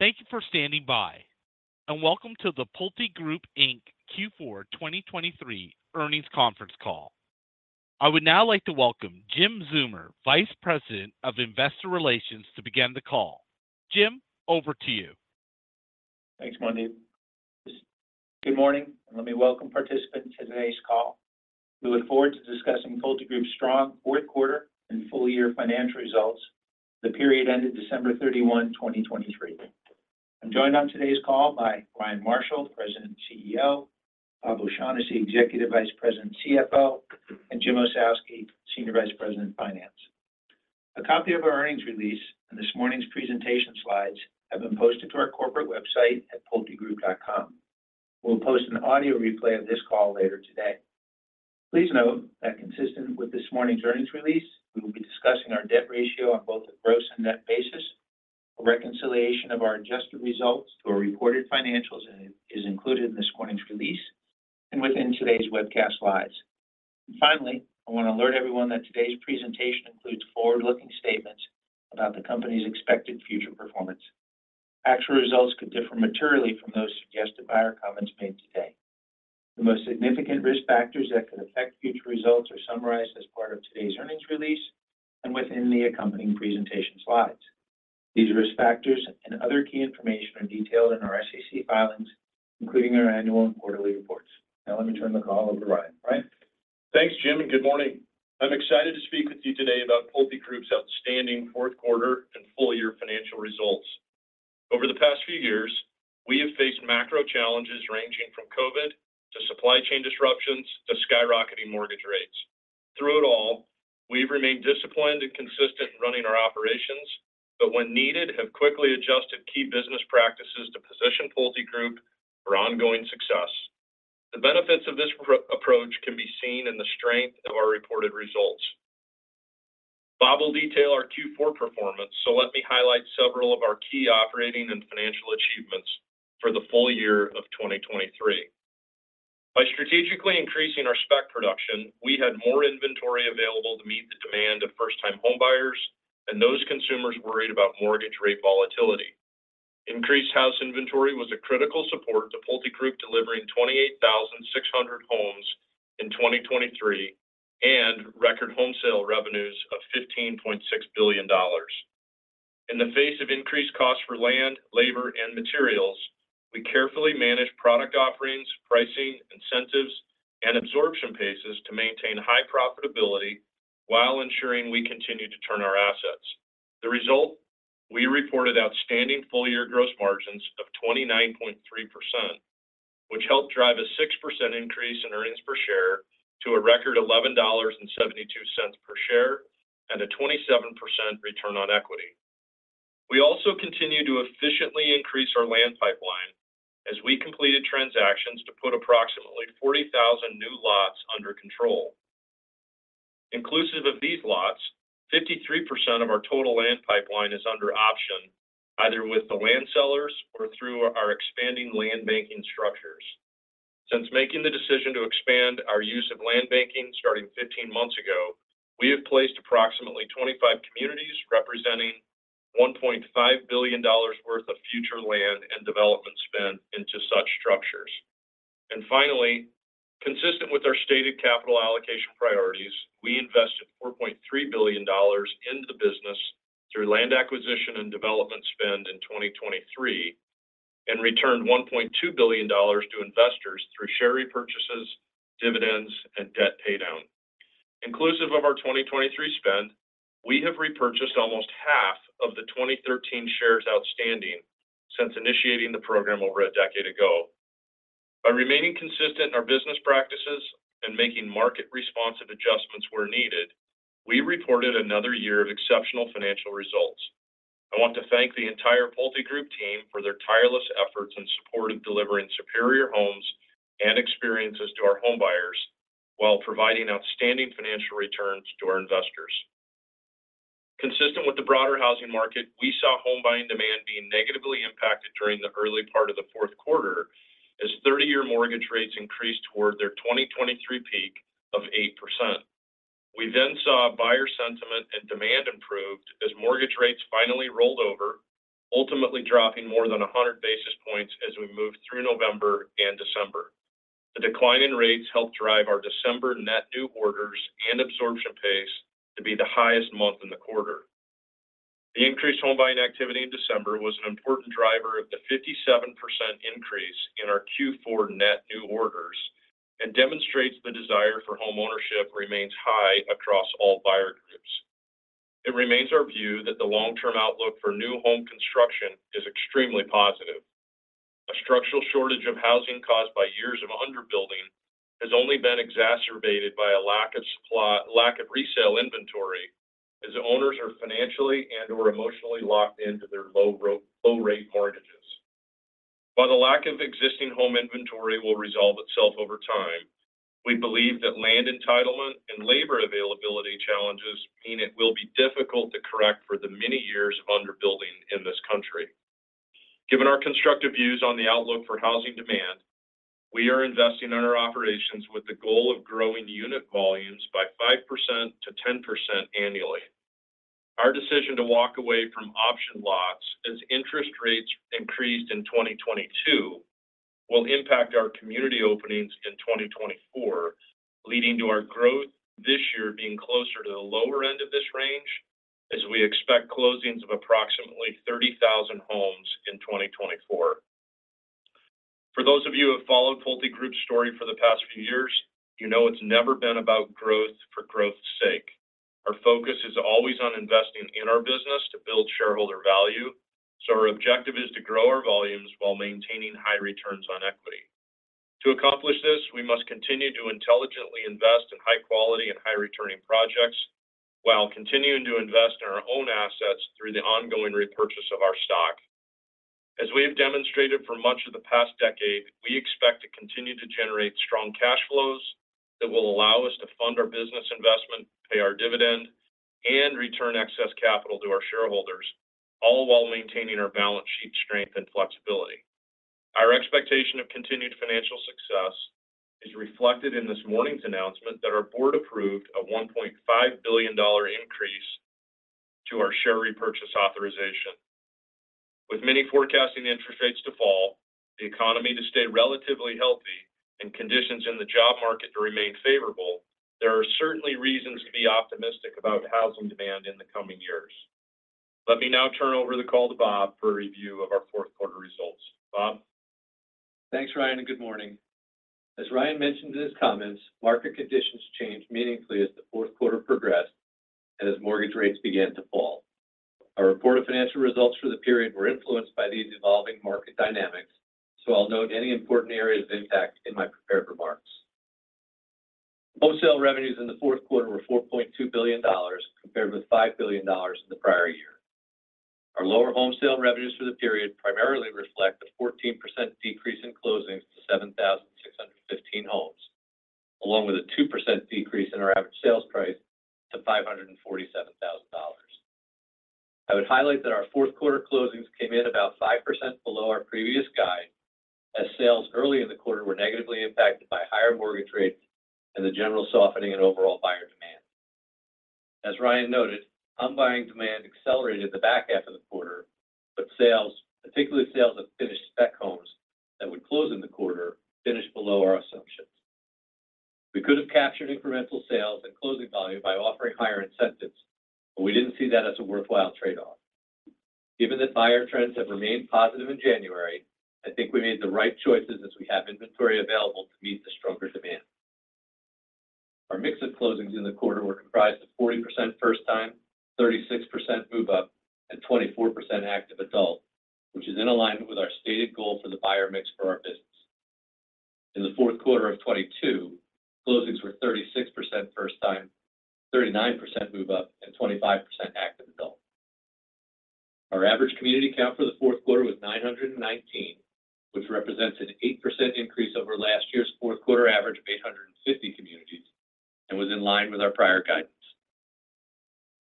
Thank you for standing by, and welcome to the PulteGroup, Inc. Q4 2023 earnings conference call. I would now like to welcome Jim Zeumer, Vice President of Investor Relations, to begin the call. Jim, over to you. Thanks, Mandeep. Good morning, and let me welcome participants to today's call. We look forward to discussing PulteGroup's strong fourth quarter and full-year financial results, the period ended December 31, 2023. I'm joined on today's call by Ryan Marshall, President and CEO; Bob O'Shaughnessy, Executive Vice President and CFO; and Jim Ossowski, Senior Vice President of Finance. A copy of our earnings release and this morning's presentation slides have been posted to our corporate website at pultegroup.com. We'll post an audio replay of this call later today. Please note that consistent with this morning's earnings release, we will be discussing our debt ratio on both a gross and net basis. A reconciliation of our adjusted results to our reported financials is included in this morning's release and within today's webcast slides. Finally, I want to alert everyone that today's presentation includes forward-looking statements about the company's expected future performance. Actual results could differ materially from those suggested by our comments made today. The most significant risk factors that could affect future results are summarized as part of today's earnings release and within the accompanying presentation slides. These risk factors and other key information are detailed in our SEC filings, including our annual and quarterly reports. Now, let me turn the call over to Ryan. Ryan? Thanks, Jim, and good morning. I'm excited to speak with you today about PulteGroup's outstanding fourth quarter and full-year financial results. Over the past few years, we have faced macro challenges ranging from COVID, to supply chain disruptions, to skyrocketing mortgage rates. Through it all, we've remained disciplined and consistent in running our operations, but when needed, have quickly adjusted key business practices to position PulteGroup for ongoing success. The benefits of this approach can be seen in the strength of our reported results. Bob will detail our Q4 performance, so let me highlight several of our key operating and financial achievements for the full year of 2023. By strategically increasing our spec production, we had more inventory available to meet the demand of first-time homebuyers and those consumers worried about mortgage rate volatility. Increased house inventory was a critical support to PulteGroup, delivering 28,600 homes in 2023 and record home sale revenues of $15.6 billion. In the face of increased costs for land, labor, and materials, we carefully managed product offerings, pricing, incentives, and absorption paces to maintain high profitability while ensuring we continue to turn our assets. The result, we reported outstanding full-year gross margins of 29.3%, which helped drive a 6% increase in earnings per share to a record $11.72 per share, and a 27% return on equity. We also continued to efficiently increase our land pipeline as we completed transactions to put approximately 40,000 new lots under control. Inclusive of these lots, 53% of our total land pipeline is under option, either with the land sellers or through our expanding land banking structures. Since making the decision to expand our use of land banking starting 15 months ago, we have placed approximately 25 communities, representing $1.5 billion worth of future land and development spend into such structures. Finally, consistent with our stated capital allocation priorities, we invested $4.3 billion in the business through land acquisition and development spend in 2023, and returned $1.2 billion to investors through share repurchases, dividends, and debt paydown. Inclusive of our 2023 spend, we have repurchased almost half of the 2013 shares outstanding since initiating the program over a decade ago. By remaining consistent in our business practices and making market-responsive adjustments where needed, we reported another year of exceptional financial results. I want to thank the entire PulteGroup team for their tireless efforts in support of delivering superior homes and experiences to our homebuyers while providing outstanding financial returns to our investors. Consistent with the broader housing market, we saw home buying demand being negatively impacted during the early part of the fourth quarter, as 30-year mortgage rates increased toward their 2023 peak of 8%. We then saw buyer sentiment and demand improved as mortgage rates finally rolled over, ultimately dropping more than 100 basis points as we moved through November and December. The decline in rates helped drive our December net new orders and absorption pace to be the highest month in the quarter. The increased home buying activity in December was an important driver of the 57% increase in our Q4 net new orders and demonstrates the desire for homeownership remains high across all buyer groups. It remains our view that the long-term outlook for new home construction is extremely positive. A structural shortage of housing caused by years of underbuilding has only been exacerbated by a lack of supply, lack of resale inventory, as owners are financially and/or emotionally locked into their low-rate mortgages. While the lack of existing home inventory will resolve itself over time, we believe that land entitlement and labor availability challenges mean it will be difficult to correct for the many years of underbuilding in this country. Given our constructive views on the outlook for housing demand... We are investing in our operations with the goal of growing unit volumes by 5%-10% annually. Our decision to walk away from option lots as interest rates increased in 2022, will impact our community openings in 2024, leading to our growth this year being closer to the lower end of this range, as we expect closings of approximately 30,000 homes in 2024. For those of you who have followed PulteGroup's story for the past few years, you know it's never been about growth for growth's sake. Our focus is always on investing in our business to build shareholder value. So our objective is to grow our volumes while maintaining high returns on equity. To accomplish this, we must continue to intelligently invest in high quality and high-returning projects, while continuing to invest in our own assets through the ongoing repurchase of our stock. As we have demonstrated for much of the past decade, we expect to continue to generate strong cash flows that will allow us to fund our business investment, pay our dividend, and return excess capital to our shareholders, all while maintaining our balance sheet strength and flexibility. Our expectation of continued financial success is reflected in this morning's announcement that our board approved a $1.5 billion increase to our share repurchase authorization. With many forecasting interest rates to fall, the economy to stay relatively healthy, and conditions in the job market to remain favorable, there are certainly reasons to be optimistic about housing demand in the coming years. Let me now turn over the call to Bob for a review of our fourth quarter results. Bob? Thanks, Ryan, and good morning. As Ryan mentioned in his comments, market conditions changed meaningfully as the fourth quarter progressed and as mortgage rates began to fall. Our reported financial results for the period were influenced by these evolving market dynamics, so I'll note any important areas of impact in my prepared remarks. Home sale revenues in the fourth quarter were $4.2 billion, compared with $5 billion in the prior year. Our lower home sale revenues for the period primarily reflect a 14% decrease in closings to 7,615 homes, along with a 2% decrease in our average sales price to $547,000. I would highlight that our fourth quarter closings came in about 5% below our previous guide, as sales early in the quarter were negatively impacted by higher mortgage rates and the general softening and overall buyer demand. As Ryan noted, home buying demand accelerated the back half of the quarter, but sales, particularly sales of finished spec homes that would close in the quarter, finished below our assumptions. We could have captured incremental sales and closing value by offering higher incentives, but we didn't see that as a worthwhile trade-off. Given that buyer trends have remained positive in January, I think we made the right choices as we have inventory available to meet the stronger demand. Our mix of closings in the quarter were comprised of 40% first time, 36% move-up, and 24% active adult, which is in alignment with our stated goal for the buyer mix for our business. In the fourth quarter of 2022, closings were 36% first time, 39% move-up, and 25% active adult. Our average community count for the fourth quarter was 919, which represents an 8% increase over last year's fourth quarter average of 850 communities and was in line with our prior guidance.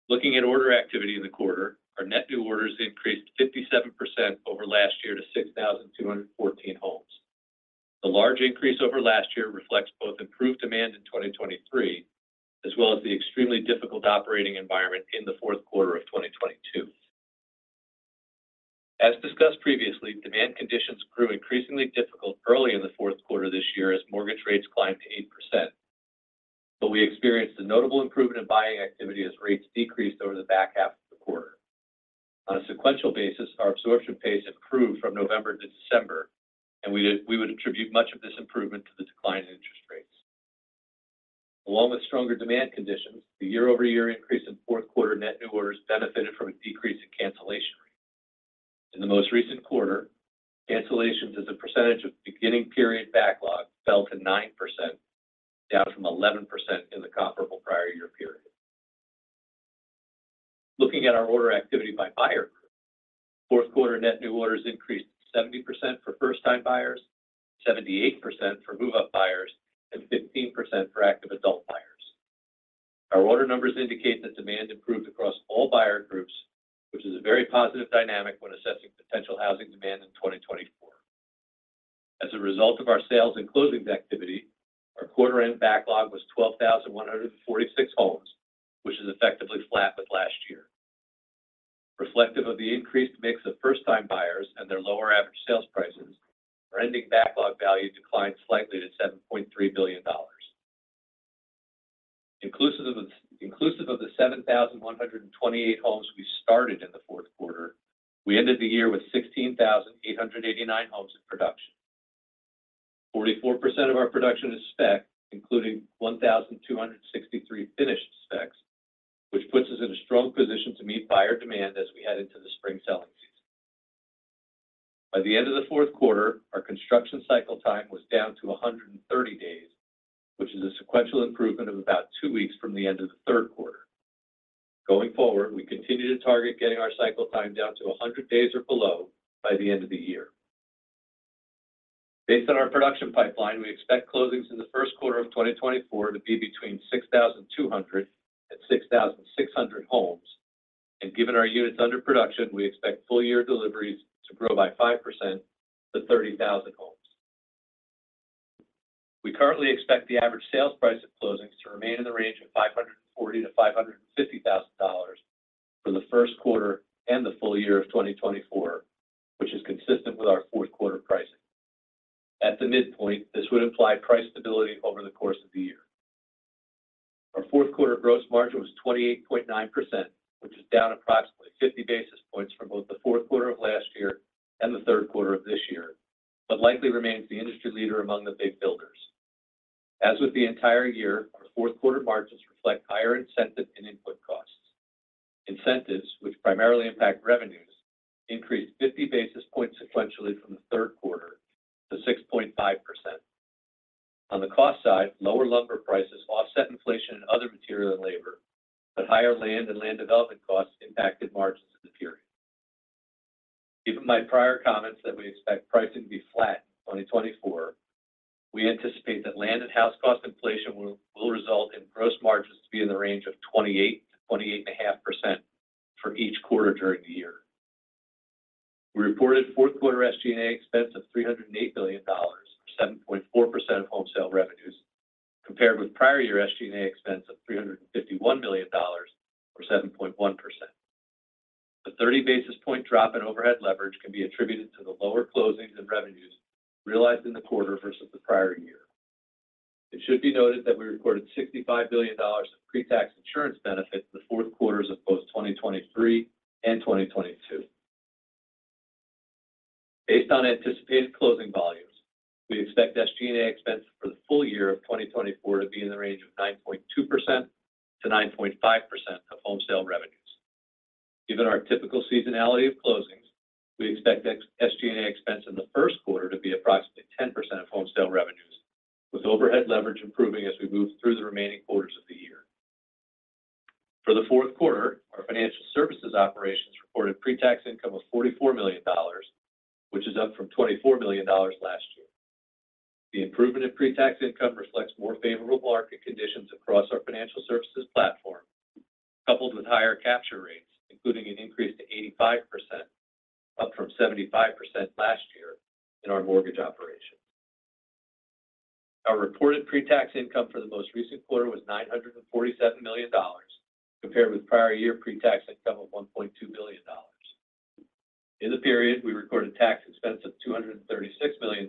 Looking at order activity in the quarter, our net new orders increased 57% over last year to 6,214 homes. The large increase over last year reflects both improved demand in 2023, as well as the extremely difficult operating environment in the fourth quarter of 2022. As discussed previously, demand conditions grew increasingly difficult early in the fourth quarter this year as mortgage rates climbed to 8%. But we experienced a notable improvement in buying activity as rates decreased over the back half of the quarter. On a sequential basis, our absorption pace improved from November to December, and we would attribute much of this improvement to the decline in interest rates. Along with stronger demand conditions, the year-over-year increase in fourth quarter net new orders benefited from a decrease in cancellation rate. In the most recent quarter, cancellations as a percentage of beginning period backlog fell to 9%, down from 11% in the comparable prior year period. Looking at our order activity by buyer, fourth quarter net new orders increased 70% for first-time buyers, 78% for move-up buyers, and 15% for active adult buyers. Our order numbers indicate that demand improved across all buyer groups, which is a very positive dynamic when assessing potential housing demand in 2024. As a result of our sales and closings activity, our quarter-end backlog was 12,146 homes, which is effectively flat with last year. Reflective of the increased mix of first-time buyers and their lower average sales prices, our ending backlog value declined slightly to $7.3 billion. Inclusive of the seven thousand one hundred and twenty-eight homes we started in the fourth quarter, we ended the year with 16,889 homes in production. 44% of our production is spec, including 1,263 finished specs, which puts us in a strong position to meet buyer demand as we head into the spring selling season. By the end of the fourth quarter, our construction cycle time was down to 130 days, which is a sequential improvement of about two weeks from the end of the third quarter. Going forward, we continue to target getting our cycle time down to 100 days or below by the end of the year. Based on our production pipeline, we expect closings in the first quarter of 2024 to be between 6,200 and 6,600 homes. And given our units under production, we expect full-year deliveries to grow by 5% to 30,000 homes. We currently expect the average sales price of closings to remain in the range of $540,000-$550,000 for the first quarter and the full year of 2024, which is consistent with our fourth quarter pricing. At the midpoint, this would imply price stability over the course of the year. Our fourth quarter gross margin was 28.9%, which is down approximately 50 basis points from both the fourth quarter of last year and the third quarter of this year, but likely remains the industry leader among the big builders. As with the entire year, our fourth-quarter margins reflect higher incentive and input costs. Incentives, which primarily impact revenues, increased 50 basis points sequentially from the third quarter to 6.5%. On the cost side, lower lumber prices offset inflation and other material and labor, but higher land and land development costs impacted margins in the period. Given my prior comments that we expect pricing to be flat in 2024, we anticipate that land and house cost inflation will result in gross margins to be in the range of 28%-28.5% for each quarter during the year. We reported fourth-quarter SG&A expense of $308 million, or 7.4% of home sale revenues, compared with prior-year SG&A expense of $351 million, or 7.1%. The 30-basis-point drop in overhead leverage can be attributed to the lower closings and revenues realized in the quarter versus the prior year. It should be noted that we recorded $65 billion of pre-tax insurance benefits in the fourth quarters of both 2023 and 2022. Based on anticipated closing volumes, we expect SG&A expenses for the full year of 2024 to be in the range of 9.2%-9.5% of home sale revenues. Given our typical seasonality of closings, we expect ex-SG&A expense in the first quarter to be approximately 10% of home sale revenues, with overhead leverage improving as we move through the remaining quarters of the year. For the fourth quarter, our financial services operations reported pre-tax income of $44 million, which is up from $24 million last year. The improvement in pre-tax income reflects more favorable market conditions across our financial services platform, coupled with higher capture rates, including an increase to 85%, up from 75% last year in our mortgage operations. Our reported pre-tax income for the most recent quarter was $947 million, compared with prior-year pre-tax income of $1.2 billion. In the period, we recorded tax expense of $236 million,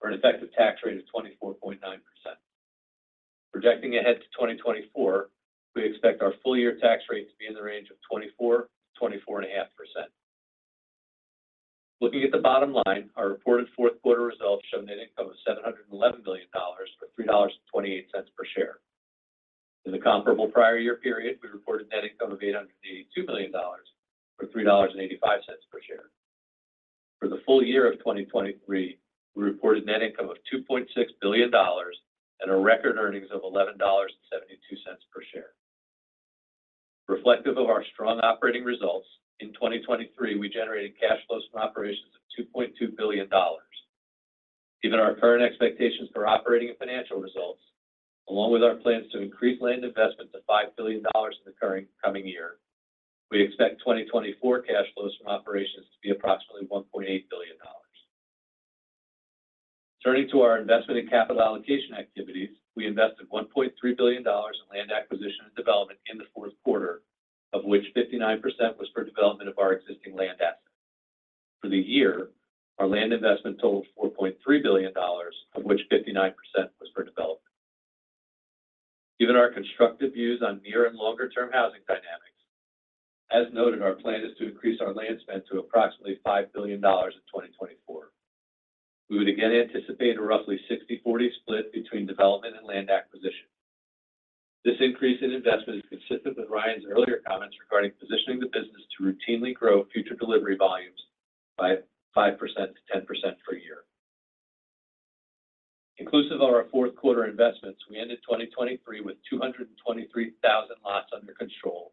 for an effective tax rate of 24.9%. Projecting ahead to 2024, we expect our full-year tax rate to be in the range of 24%-24.5%. Looking at the bottom line, our reported fourth-quarter results showed a net income of $711 million, or $3.28 per share. In the comparable prior year period, we reported net income of $882 million, or $3.85 per share. For the full year of 2023, we reported net income of $2.6 billion and a record earnings of $11.72 per share. Reflective of our strong operating results, in 2023, we generated cash flows from operations of $2.2 billion. Given our current expectations for operating and financial results, along with our plans to increase land investment to $5 billion in the coming year, we expect 2024 cash flows from operations to be approximately $1.8 billion. Turning to our investment and capital allocation activities, we invested $1.3 billion in land acquisition and development in the fourth quarter, of which 59% was for development of our existing land assets. For the year, our land investment totaled $4.3 billion, of which 59% was for development. Given our constructive views on near and longer-term housing dynamics, as noted, our plan is to increase our land spend to approximately $5 billion in 2024. We would again anticipate a roughly 60/40 split between development and land acquisition. This increase in investment is consistent with Ryan's earlier comments regarding positioning the business to routinely grow future delivery volumes by 5%-10% per year. Inclusive of our fourth-quarter investments, we ended 2023 with 223,000 lots under control,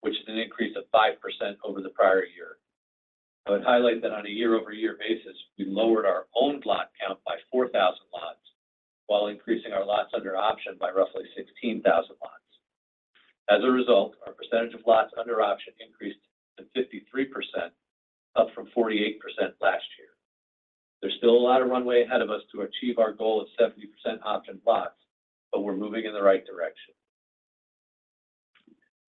which is an increase of 5% over the prior year. I would highlight that on a year-over-year basis, we lowered our own lot count by 4,000 lots, while increasing our lots under option by roughly 16,000 lots. As a result, our percentage of lots under option increased to 53%, up from 48% last year. There's still a lot of runway ahead of us to achieve our goal of 70% optioned lots, but we're moving in the right direction.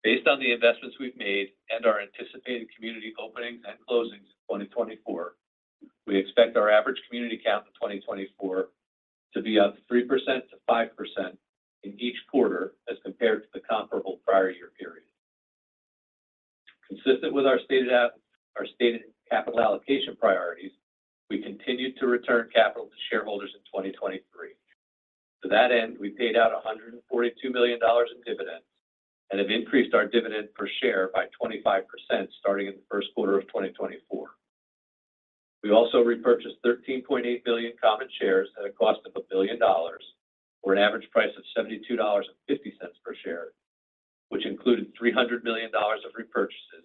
Based on the investments we've made and our anticipated community openings and closings in 2024, we expect our average community count in 2024 to be up 3%-5% in each quarter as compared to the comparable prior year period. Consistent with our stated our stated capital allocation priorities, we continued to return capital to shareholders in 2023. To that end, we paid out $142 million in dividends and have increased our dividend per share by 25% starting in the first quarter of 2024. We also repurchased 13.8 billion common shares at a cost of $1 billion, for an average price of $72.50 per share, which included $300 million of repurchases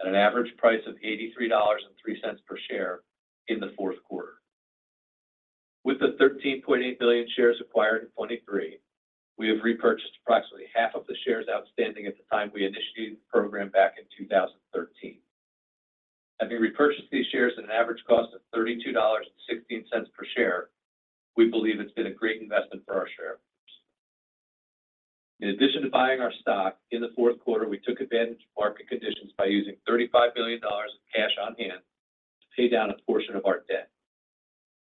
at an average price of $83.03 per share in the fourth quarter. With the 13.8 billion shares acquired in 2023, we have repurchased approximately half of the shares outstanding at the time we initiated the program back in 2013. Having repurchased these shares at an average cost of $32.16 per share, we believe it's been a great investment for our shareholders. In addition to buying our stock, in the fourth quarter, we took advantage of market conditions by using $35 billion of cash on hand to pay down a portion of our debt.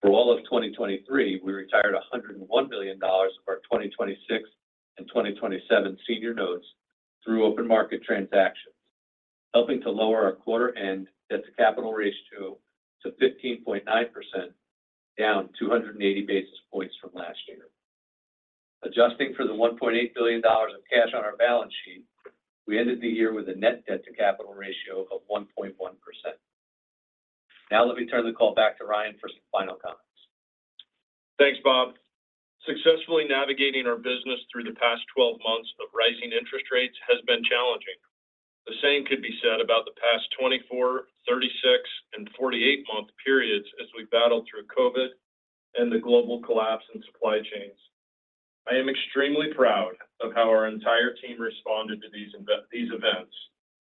For all of 2023, we retired $101 billion of our 2026 and 2027 senior notes through open market transactions, helping to lower our quarter-end debt to capital ratio to 15.9%, down 280 basis points from last year. Adjusting for the $1.8 billion of cash on our balance sheet, we ended the year with a net debt to capital ratio of 1.1%. Now let me turn the call back to Ryan for some final comments. Thanks, Bob. Successfully navigating our business through the past 12 months of rising interest rates has been challenging. The same could be said about the past 24-, 36-, and 48-month periods as we battled through COVID and the global collapse in supply chains. I am extremely proud of how our entire team responded to these events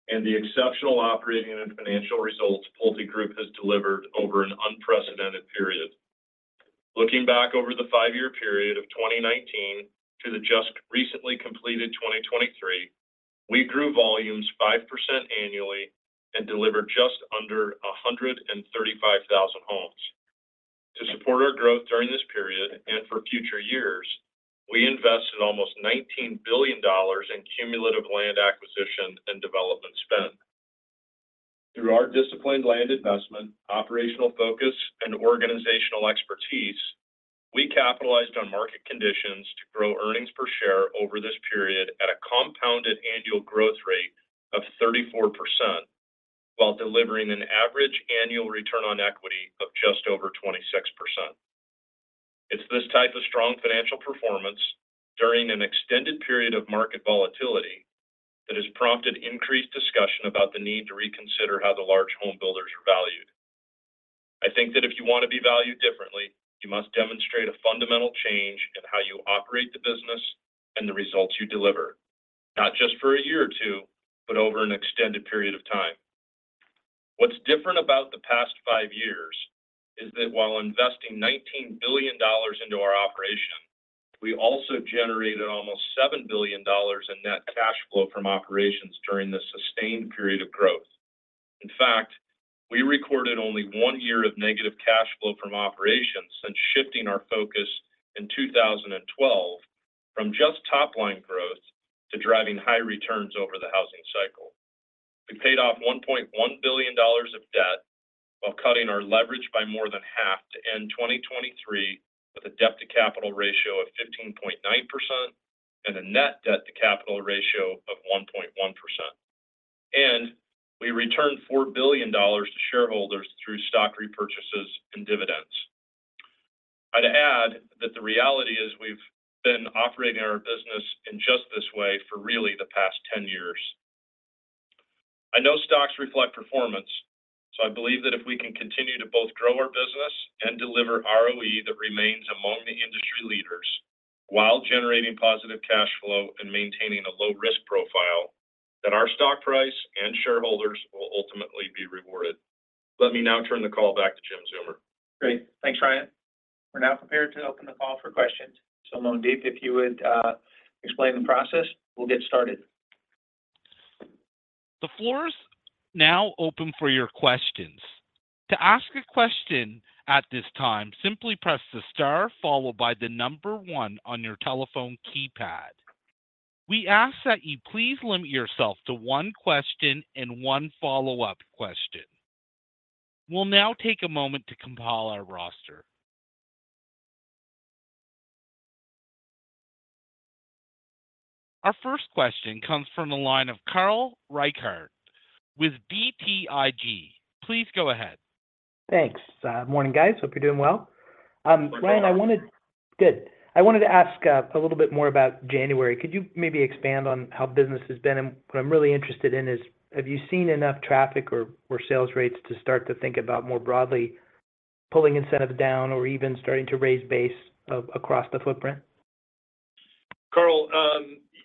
and the exceptional operating and financial results PulteGroup has delivered over an unprecedented period. Looking back over the 5-year period of 2019 to the just recently completed 2023, we grew volumes 5% annually and delivered just under 135,000 homes. To support our growth during this period and for future years, we invested almost $19 billion in cumulative land acquisition and development spend. Through our disciplined land investment, operational focus, and organizational expertise, we capitalized on market conditions to grow earnings per share over this period at a compounded annual growth rate of 34%, while delivering an average annual return on equity of just over 26%. It's this type of strong financial performance during an extended period of market volatility that has prompted increased discussion about the need to reconsider how the large home builders are valued. I think that if you want to be valued differently, you must demonstrate a fundamental change in how you operate the business and the results you deliver, not just for a year or two, but over an extended period of time. What's different about the past 5 years is that while investing $19 billion into our operation, we also generated almost $7 billion in net cash flow from operations during this sustained period of growth. In fact, we recorded only 1 year of negative cash flow from operations since shifting our focus in 2012 from just top-line growth to driving high returns over the housing cycle. We paid off $1.1 billion of debt while cutting our leverage by more than half to end 2023 with a debt-to-capital ratio of 15.9% and a net debt-to-capital ratio of 1.1%. And we returned $4 billion to shareholders through stock repurchases and dividends. I'd add that the reality is we've been operating our business in just this way for really the past 10 years. I know stocks reflect performance, so I believe that if we can continue to both grow our business and deliver ROE that remains among the industry leaders while generating positive cash flow and maintaining a low-risk profile, that our stock price and shareholders will ultimately be rewarded. Let me now turn the call back to Jim Zeumer. Great. Thanks, Ryan. We're now prepared to open the call for questions. So Mandeep, if you would, explain the process, we'll get started. The floor is now open for your questions. To ask a question at this time, simply press the star followed by the number one on your telephone keypad. We ask that you please limit yourself to one question and one follow-up question. We'll now take a moment to compile our roster. Our first question comes from the line of Carl Reichardt with BTIG. Please go ahead. Thanks. Morning, guys. Hope you're doing well. Ryan, I wanted- We're doing well. Good. I wanted to ask a little bit more about January. Could you maybe expand on how business has been? And what I'm really interested in is, have you seen enough traffic or sales rates to start to think about more broadly, pulling incentives down or even starting to raise base across the footprint? Carl,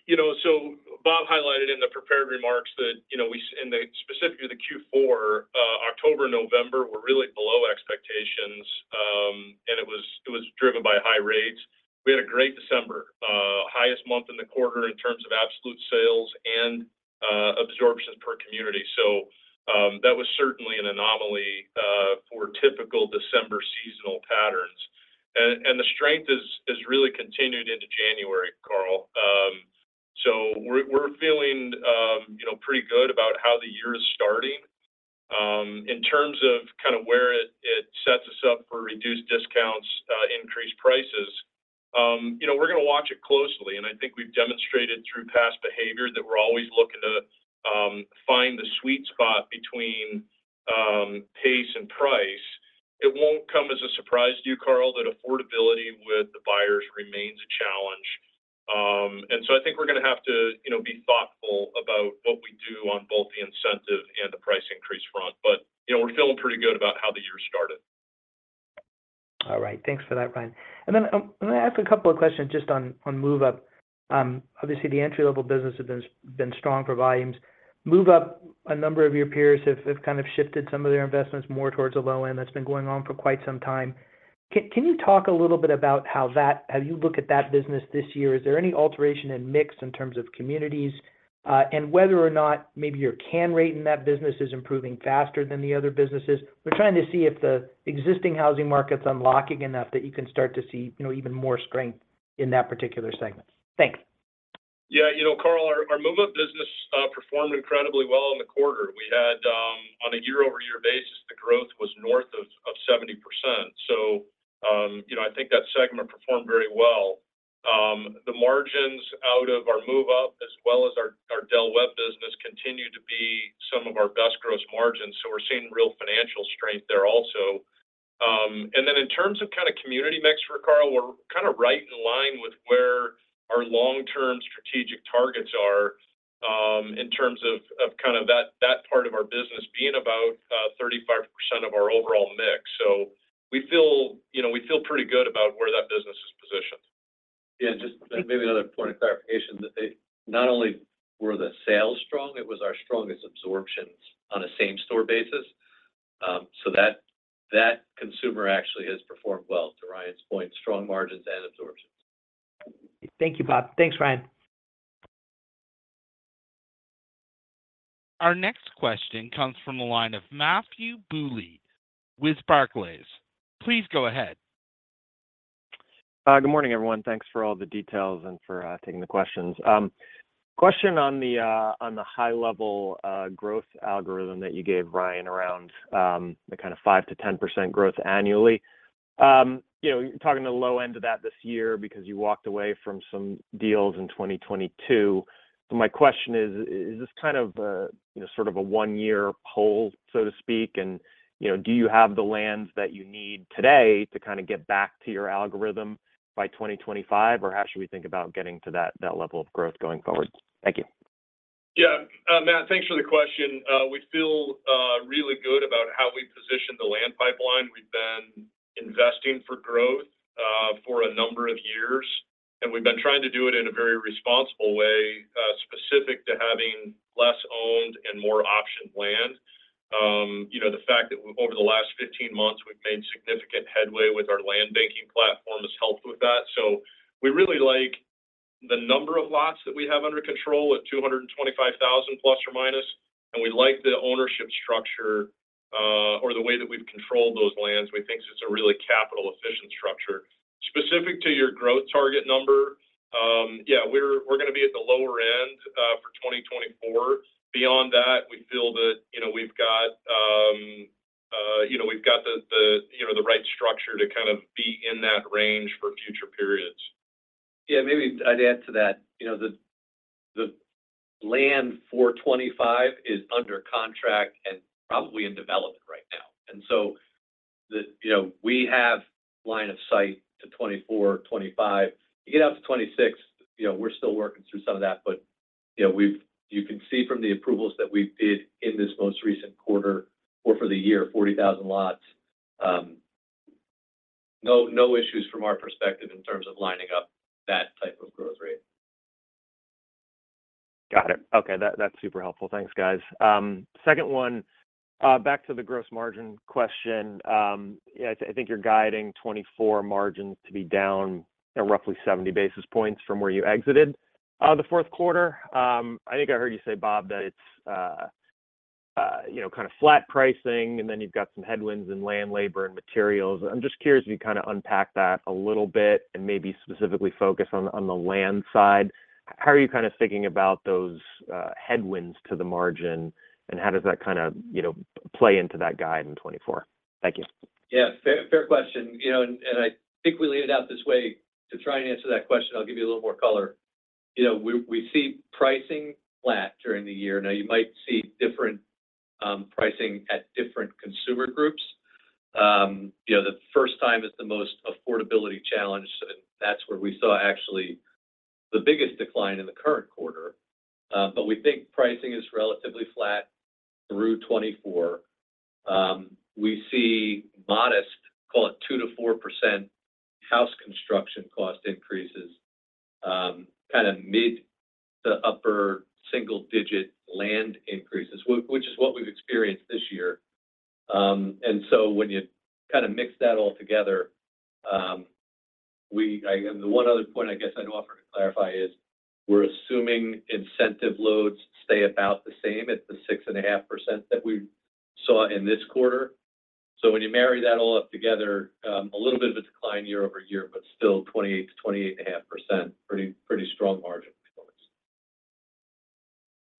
you know, so Bob highlighted in the prepared remarks that, you know, we, and specifically the Q4, October, November, were really below expectations, and it was driven by high rates. We had a great December, highest month in the quarter in terms of absolute sales and absorption per community. So, that was certainly an anomaly for typical December seasonal patterns. And the strength has really continued into January, Carl. So we're feeling, you know, pretty good about how the year is starting. In terms of kind of where it sets us up for reduced discounts, increased prices, you know, we're going to watch it closely, and I think we've demonstrated through past behavior that we're always looking to find the sweet spot between pace and price. It won't come as a surprise to you, Carl, that affordability with the buyers remains a challenge. And so I think we're gonna have to, you know, be thoughtful about what we do on both the incentive and the price increase front. But, you know, we're feeling pretty good about how the year started. All right. Thanks for that, Ryan. And then, I'm gonna ask a couple of questions just on move-up. Obviously, the entry-level business has been strong for volumes. Move-up, a number of your peers have kind of shifted some of their investments more towards the low end. That's been going on for quite some time. Can you talk a little bit about how you look at that business this year? Is there any alteration in mix in terms of communities, and whether or not maybe your cancel rate in that business is improving faster than the other businesses? We're trying to see if the existing housing market's unlocking enough that you can start to see, you know, even more strength in that particular segment. Thanks. Yeah, you know, Carl, our move-up business performed incredibly well in the quarter. We had on a year-over-year basis, the growth was north of seventy percent. So, you know, I think that segment performed very well. The margins out of our move-up, as well as our Del Webb business, continue to be some of our best gross margins, so we're seeing real financial strength there also. And then in terms of kind of community mix, Carl, we're kind of right in line with where our long-term strategic targets are, in terms of kind of that part of our business being about thirty-five percent of our overall mix. So we feel, you know, we feel pretty good about where that business is positioned. Yeah, just maybe another point of clarification, that not only were the sales strong, it was our strongest absorptions on a same-store basis. So that consumer actually has performed well. To Ryan's point, strong margins and absorptions. Thank you, Bob. Thanks, Ryan. Our next question comes from the line of Matthew Bouley with Barclays. Please go ahead. Good morning, everyone. Thanks for all the details and for taking the questions. Question on the high-level growth algorithm that you gave, Ryan, around the kind of 5%-10% growth annually. You know, you're talking the low end of that this year because you walked away from some deals in 2022. So my question is, is this kind of a, you know, sort of a one-year poll, so to speak? And, you know, do you have the lands that you need today to kind of get back to your algorithm by 2025? Or how should we think about getting to that level of growth going forward? Thank you. Yeah, Matt, thanks for the question. We feel really good about how we've positioned the land pipeline. We've been investing for growth for a number of years, and we've been trying to do it in a very responsible way, specific to having less owned and more optioned land. You know, the fact that over the last 15 months we've made significant headway with our land banking platform has helped with that. So we really like the number of lots that we have under control at 225,000 plus or minus, and we like the ownership structure, or the way that we've controlled those lands. We think it's a really capital-efficient structure. Specific to your growth target number, yeah, we're gonna be at the lower end for 2024. Beyond that, we feel that, you know, we've got, you know, we've got the, you know, the right structure to kind of be in that range for future periods. Yeah, maybe I'd add to that. You know, the land for 2025 is under contract and probably in development right now, and so the... You know, we have line of sight to 2024, 2025. You get out to 2026, you know, we're still working through some of that, but, you know, you can see from the approvals that we did in this most recent quarter or for the year, 40,000 lots. No, no issues from our perspective in terms of lining up that type of growth rate. Got it. Okay, that, that's super helpful. Thanks, guys. Second one, back to the gross margin question. Yeah, I think you're guiding 2024 margins to be down at roughly 70 basis points from where you exited the fourth quarter. I think I heard you say, Bob, that it's you know, kind of flat pricing, and then you've got some headwinds in land, labor, and materials. I'm just curious if you kind of unpack that a little bit and maybe specifically focus on the land side. How are you kind of thinking about those headwinds to the margin, and how does that kind of you know, play into that guide in 2024? Thank you. Yeah, fair, fair question. You know, and, and I think we laid it out this way. To try and answer that question, I'll give you a little more color. You know, we see pricing flat during the year. Now, you might see different pricing at different consumer groups. You know, the first time is the most affordability challenge, and that's where we saw actually the biggest decline in the current quarter. But we think pricing is relatively flat through 2024. We see modest, call it 2%-4%, house construction cost increases, kind of mid- to upper single-digit land increases, which is what we've experienced this year. And so when you kind of mix that all together, we... And the one other point I guess I'd offer to clarify is, we're assuming incentive loads stay about the same at the 6.5% that we saw in this quarter. So when you marry that all up together, a little bit of a decline year-over-year, but still 28%-28.5%. Pretty, pretty strong margin performance.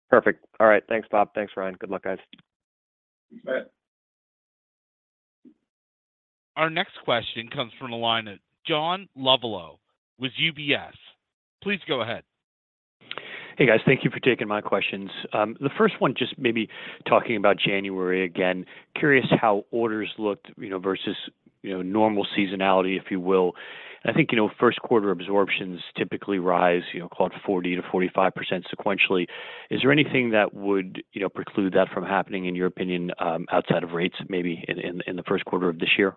Perfect. All right. Thanks, Bob. Thanks, Ryan. Good luck, guys. Thanks, Matt. Our next question comes from the line of John Lovallo with UBS. Please go ahead. ... Hey, guys. Thank you for taking my questions. The first one, just maybe talking about January again, curious how orders looked, you know, versus, you know, normal seasonality, if you will. I think, you know, first quarter absorptions typically rise, you know, call it 40%-45% sequentially. Is there anything that would, you know, preclude that from happening, in your opinion, outside of rates, maybe in the first quarter of this year?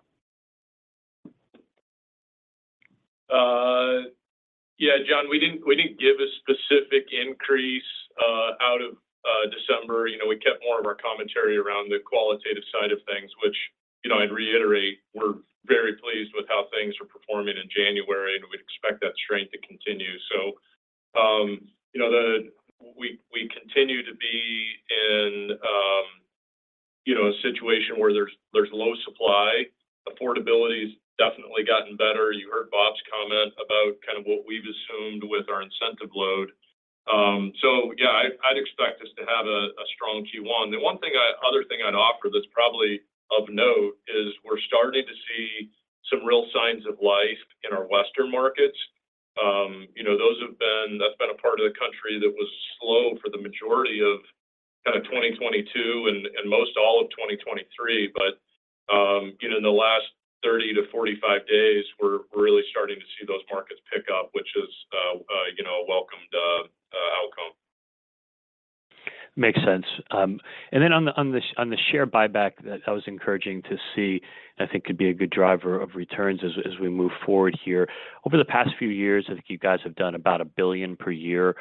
Yeah, John, we didn't, we didn't give a specific increase out of December. You know, we kept more of our commentary around the qualitative side of things, which, you know, I'd reiterate, we're very pleased with how things are performing in January, and we'd expect that strength to continue. So, you know, we, we continue to be in, you know, a situation where there's, there's low supply. Affordability has definitely gotten better. You heard Bob's comment about kind of what we've assumed with our incentive load. So yeah, I'd, I'd expect us to have a, a strong Q1. The one other thing I'd offer that's probably of note is we're starting to see some real signs of life in our western markets. You know, those have been... That's been a part of the country that was slow for the majority of kind of 2022 and most all of 2023. But, you know, in the last 30-45 days, we're really starting to see those markets pick up, which is, you know, a welcomed outcome. Makes sense. And then on the share buyback, that was encouraging to see, I think could be a good driver of returns as we move forward here. Over the past few years, I think you guys have done about $1 billion per year.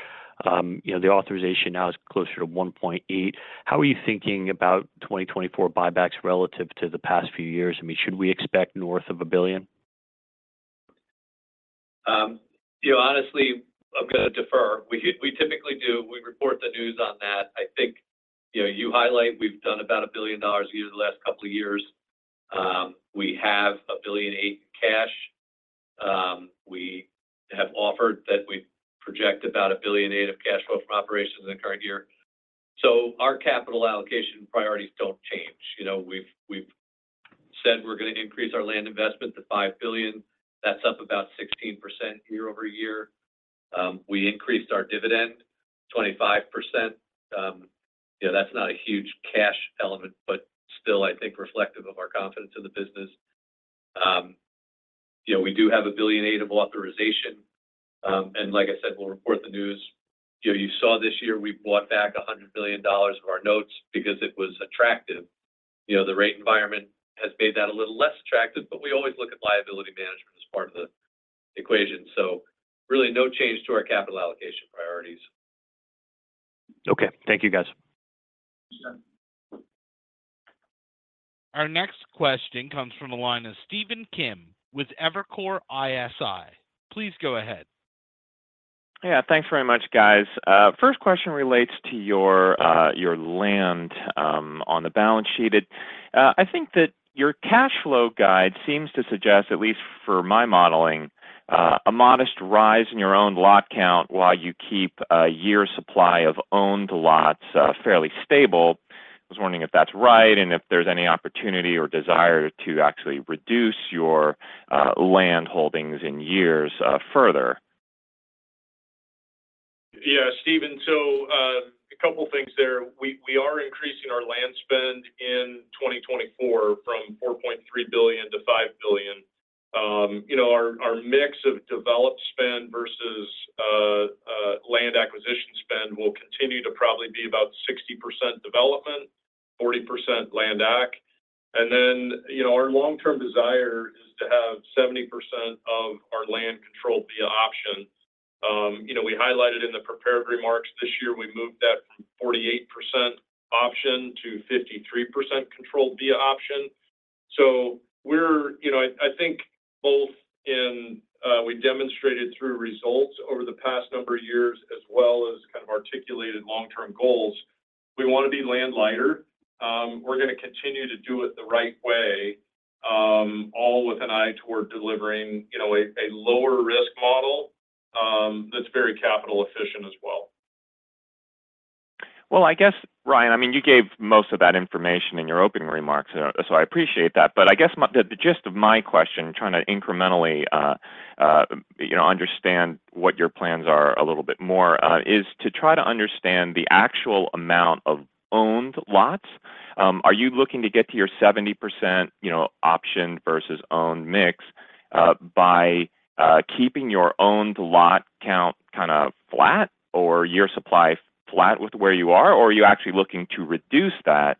You know, the authorization now is closer to $1.8. How are you thinking about 2024 buybacks relative to the past few years? I mean, should we expect north of $1 billion? You know, honestly, I'm gonna defer. We typically do. We report the news on that. I think, you know, you highlight we've done about $1 billion a year in the last couple of years. We have $1.8 billion in cash. We have offered that we project about $1.8 billion of cash flow from operations in the current year. So our capital allocation priorities don't change. You know, we've said we're going to increase our land investment to $5 billion. That's up about 16% year-over-year. We increased our dividend 25%. You know, that's not a huge cash element, but still, I think, reflective of our confidence in the business. You know, we do have $1.8 billion of authorization. And like I said, we'll report the news. You know, you saw this year we bought back $100 billion of our notes because it was attractive. You know, the rate environment has made that a little less attractive, but we always look at liability management as part of the equation. So really, no change to our capital allocation priorities. Okay. Thank you, guys. Sure. Our next question comes from the line of Stephen Kim with Evercore ISI. Please go ahead. Yeah, thanks very much, guys. First question relates to your, your land, on the balance sheet. It, I think that your cash flow guide seems to suggest, at least for my modeling, a modest rise in your own lot count, while you keep a year's supply of owned lots, fairly stable. I was wondering if that's right, and if there's any opportunity or desire to actually reduce your, land holdings in years, further. Yeah, Steven. So, a couple of things there. We are increasing our land spend in 2024 from $4.3 billion-$5 billion. You know, our mix of developed spend versus land acquisition spend will continue to probably be about 60% development, 40% land acq. And then, you know, our long-term desire is to have 70% of our land controlled via option. You know, we highlighted in the prepared remarks this year, we moved that from 48% option to 53% controlled via option. So we're you know, I think both in we demonstrated through results over the past number of years as well as kind of articulated long-term goals, we want to be land lighter. We're gonna continue to do it the right way, all with an eye toward delivering, you know, a lower risk model that's very capital efficient as well. Well, I guess, Ryan, I mean, you gave most of that information in your opening remarks, so I appreciate that. But I guess my, the gist of my question, trying to incrementally, you know, understand what your plans are a little bit more, is to try to understand the actual amount of owned lots. Are you looking to get to your 70%, you know, optioned versus owned mix, by keeping your owned lot count kind of flat or your supply flat with where you are? Or are you actually looking to reduce that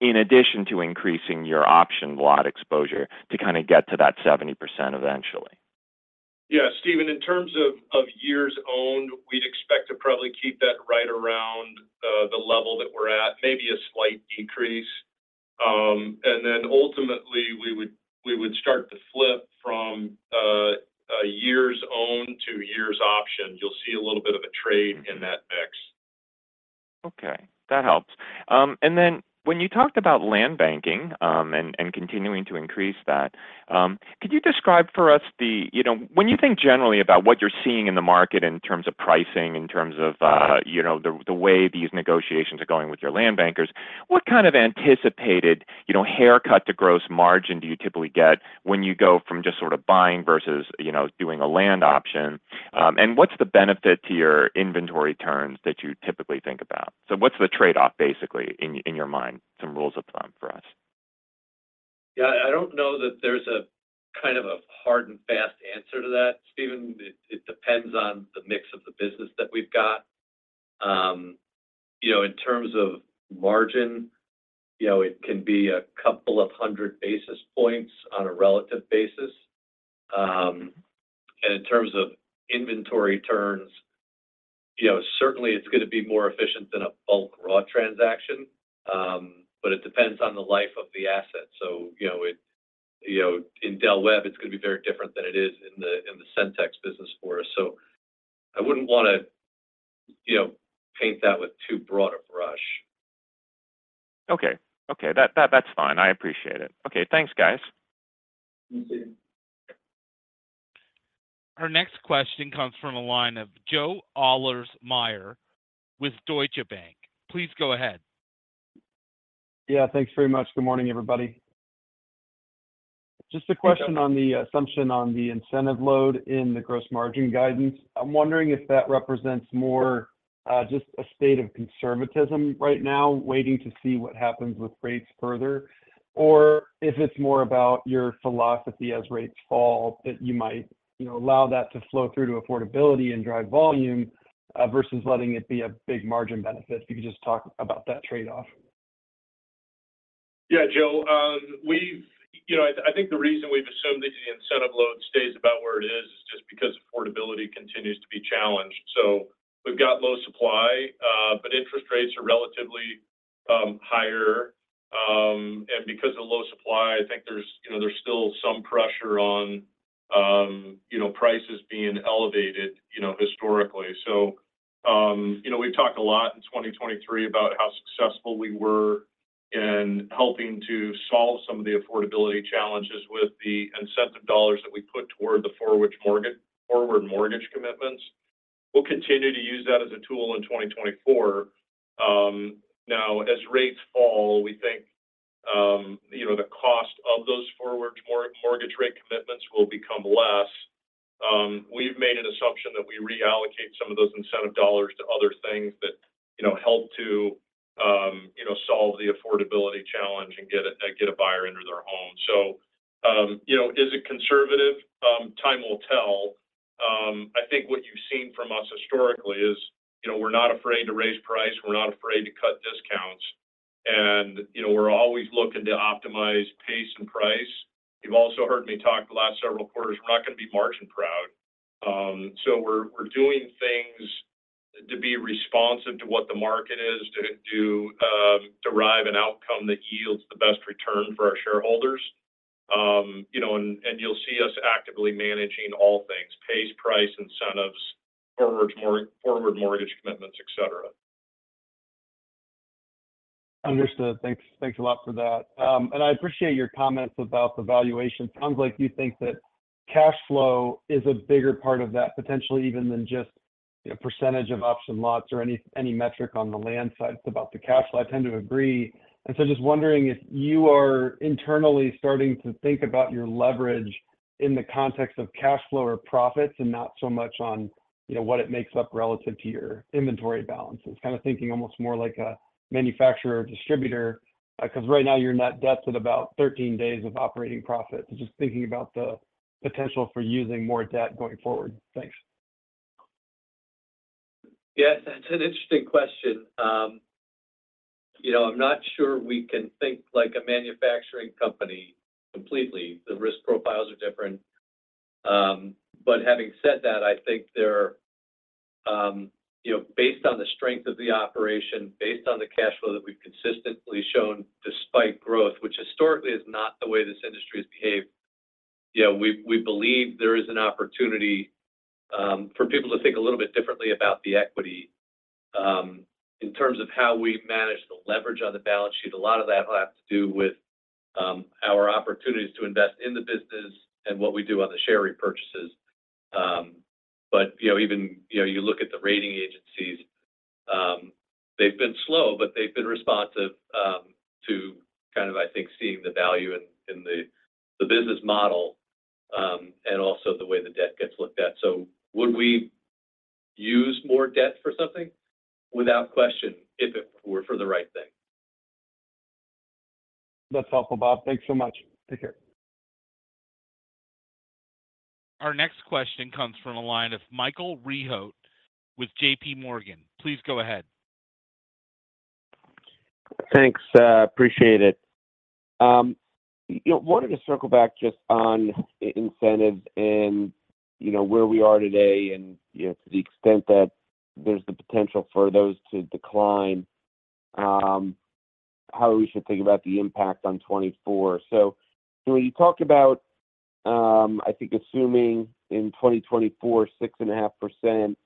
in addition to increasing your option lot exposure to kind of get to that 70% eventually? Yeah, Steven, in terms of years owned, we'd expect to probably keep that right around the level that we're at, maybe a slight decrease. And then ultimately, we would start to flip from a years owned to years option. You'll see a little bit of a trade in that mix. Okay, that helps. And then when you talked about land banking, and continuing to increase that, could you describe for us the... you know, when you think generally about what you're seeing in the market in terms of pricing, in terms of, you know, the way these negotiations are going with your land bankers, what kind of anticipated, you know, haircut to gross margin do you typically get when you go from just sort of buying versus, you know, doing a land option? And what's the benefit to your inventory turns that you typically think about? So what's the trade-off basically in your mind, some rules of thumb for us?... Yeah, I don't know that there's a kind of a hard and fast answer to that, Steven. It, it depends on the mix of the business that we've got. You know, in terms of margin, you know, it can be a couple of hundred basis points on a relative basis. And in terms of inventory turns, you know, certainly it's going to be more efficient than a bulk raw transaction. But it depends on the life of the asset. So, you know, it, you know, in Del Webb, it's going to be very different than it is in the, in the Centex business for us. So I wouldn't want to, you know, paint that with too broad a brush. Okay. That's fine. I appreciate it. Okay, thanks, guys. You too. Our next question comes from a line of Joe Ahlersmeyer with Deutsche Bank. Please go ahead. Yeah, thanks very much. Good morning, everybody. Just a question on the assumption on the incentive load in the gross margin guidance. I'm wondering if that represents more, just a state of conservatism right now, waiting to see what happens with rates further, or if it's more about your philosophy as rates fall, that you might, you know, allow that to flow through to affordability and drive volume, versus letting it be a big margin benefit. If you could just talk about that trade-off. Yeah, Joe, you know, I think the reason we've assumed that the incentive load stays about where it is is just because affordability continues to be challenged. So we've got low supply, but interest rates are relatively higher. And because of low supply, I think there's, you know, there's still some pressure on, you know, prices being elevated, you know, historically. So, you know, we've talked a lot in 2023 about how successful we were in helping to solve some of the affordability challenges with the incentive dollars that we put toward the forward mortgage commitments. We'll continue to use that as a tool in 2024. Now, as rates fall, we think, you know, the cost of those forward mortgage rate commitments will become less. We've made an assumption that we reallocate some of those incentive dollars to other things that, you know, help to, you know, solve the affordability challenge and get a buyer into their home. So, you know, is it conservative? Time will tell. I think what you've seen from us historically is, you know, we're not afraid to raise price, we're not afraid to cut discounts, and, you know, we're always looking to optimize pace and price. You've also heard me talk the last several quarters. We're not going to be margin proud. So we're doing things to be responsive to what the market is, to derive an outcome that yields the best return for our shareholders. You know, you'll see us actively managing all things, pace, price, incentives, forward mortgage commitments, et cetera. Understood. Thanks. Thanks a lot for that. And I appreciate your comments about the valuation. Sounds like you think that cash flow is a bigger part of that, potentially even than just, you know, percentage of ups and lots or any, any metric on the land side. It's about the cash flow. I tend to agree. And so just wondering if you are internally starting to think about your leverage in the context of cash flow or profits, and not so much on, you know, what it makes up relative to your inventory balances. Kind of thinking almost more like a manufacturer or distributor, because right now your net debt's at about 13 days of operating profit. So just thinking about the potential for using more debt going forward. Thanks. Yes, that's an interesting question. You know, I'm not sure we can think like a manufacturing company completely. The risk profiles are different. But having said that, I think there are, you know, based on the strength of the operation, based on the cash flow that we've consistently shown despite growth, which historically is not the way this industry has behaved, you know, we believe there is an opportunity for people to think a little bit differently about the equity. In terms of how we manage the leverage on the balance sheet, a lot of that will have to do with our opportunities to invest in the business and what we do on the share repurchases. But you know, even you know, you look at the rating agencies. They've been slow, but they've been responsive to kind of, I think, seeing the value in the business model and also the way the debt gets looked at. So would we use more debt for something? Without question, if it were for the right thing. That's helpful, Bob. Thanks so much. Take care. Our next question comes from a line of Michael Rehaut with JP Morgan. Please go ahead. Thanks, appreciate it. You know, wanted to circle back just on incentives and, you know, where we are today and, you know, to the extent that there's the potential for those to decline, how we should think about the impact on 2024. So when you talk about, I think assuming in 2024, 6.5%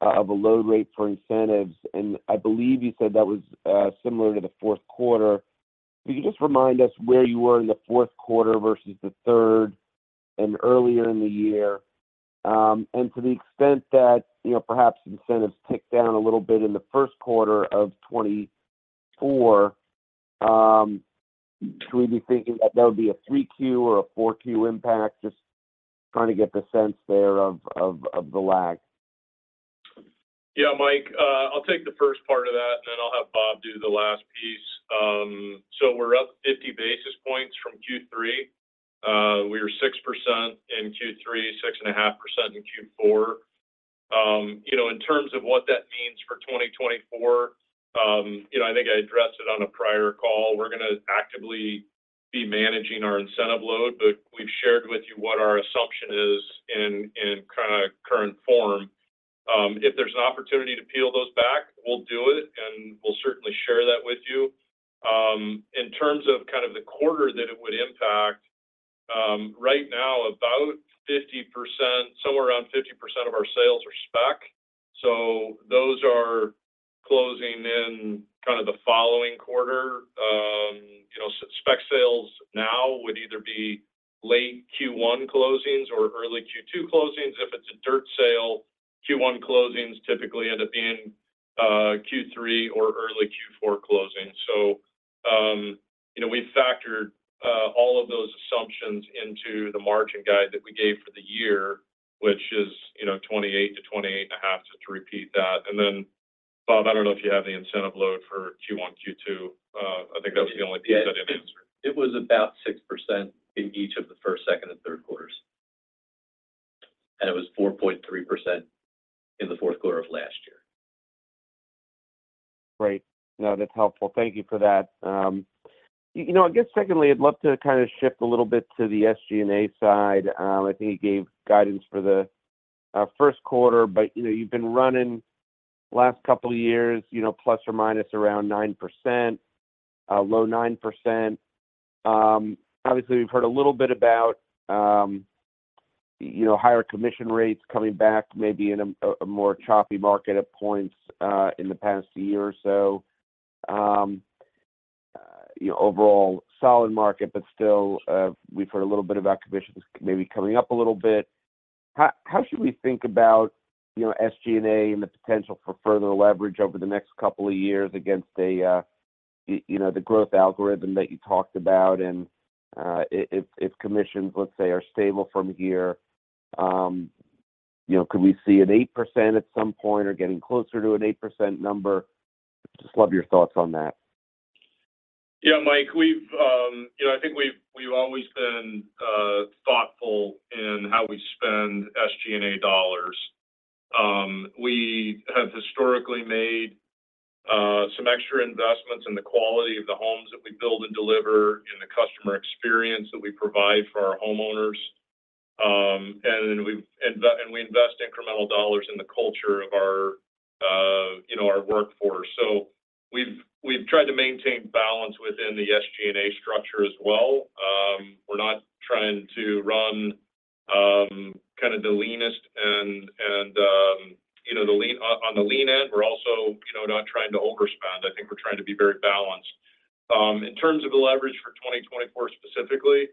of a load rate for incentives, and I believe you said that was similar to the fourth quarter. Can you just remind us where you were in the fourth quarter versus the third and earlier in the year? And to the extent that, you know, perhaps incentives tick down a little bit in the first quarter of 2024, should we be thinking that there would be a 3Q or a 4Q impact? Just trying to get the sense there of the lag.... Yeah, Mike, I'll take the first part of that, and then I'll have Bob do the last piece. So we're up 50 basis points from Q3. We were 6% in Q3, 6.5% in Q4. You know, in terms of what that means for 2024, you know, I think I addressed it on a prior call. We're gonna actively be managing our incentive load, but we've shared with you what our assumption is in, in kinda current form. If there's an opportunity to peel those back, we'll do it, and we'll certainly share that with you. In terms of kind of the quarter that it would impact, right now, about 50%, somewhere around 50% of our sales are spec. So those are closing in kind of the following quarter. You know, spec sales now would either be late Q1 closings or early Q2 closings. If it's a dirt sale, Q1 closings typically end up being Q3 or early Q4 closings. So, you know, we've factored all of those assumptions into the margin guide that we gave for the year, which is, you know, 28%-28.5%, just to repeat that. And then, Bob, I don't know if you have the incentive load for Q1, Q2. I think that's the only piece I didn't answer. It was about 6% in each of the first, second, and third quarters. It was 4.3% in the fourth quarter of last year. Great. No, that's helpful. Thank you for that. You know, I guess secondly, I'd love to kind of shift a little bit to the SG&A side. I think you gave guidance for the first quarter, but you know, you've been running last couple of years, you know, plus or minus around 9%, low 9%. Obviously, we've heard a little bit about you know, higher commission rates coming back, maybe in a more choppy market at points in the past year or so. You know, overall solid market, but still, we've heard a little bit about commissions maybe coming up a little bit. How should we think about, you know, SG&A and the potential for further leverage over the next couple of years against a, you know, the growth algorithm that you talked about, and, if commissions, let's say, are stable from here, you know, could we see an 8% at some point or getting closer to an 8% number? Just love your thoughts on that. Yeah, Mike, we've... You know, I think we've always been thoughtful in how we spend SG&A dollars. We have historically made some extra investments in the quality of the homes that we build and deliver, and the customer experience that we provide for our homeowners. And then we invest incremental dollars in the culture of our, you know, our workforce. So we've tried to maintain balance within the SG&A structure as well. We're not trying to run kind of the leanest and, you know, the lean on the lean end. We're also, you know, not trying to overspend. I think we're trying to be very balanced. In terms of the leverage for 2024 specifically,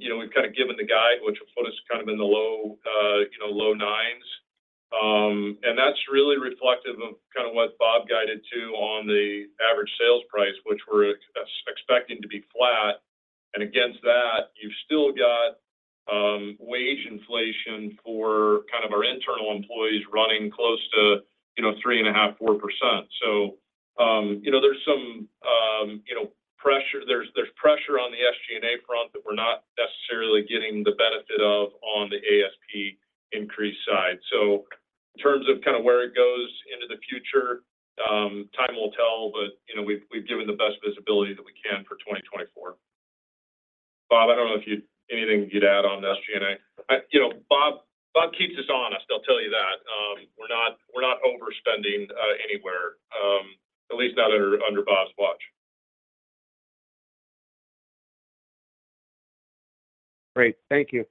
you know, we've kind of given the guide, which will put us kind of in the low, you know, low 9s. And that's really reflective of kind of what Bob guided to on the average sales price, which we're expecting to be flat. And against that, you've still got, wage inflation for kind of our internal employees running close to, you know, 3.5%-4%. So, you know, there's some, you know, pressure, there's pressure on the SG&A front that we're not necessarily getting the benefit of on the ASP increase side. So in terms of kind of where it goes into the future, time will tell, but, you know, we've given the best visibility that we can for 2024. Bob, I don't know if you anything you'd add on to SG&A? You know, Bob, Bob keeps us honest, I'll tell you that. We're not, we're not overspending anywhere, at least not under, under Bob's watch. Great. Thank you.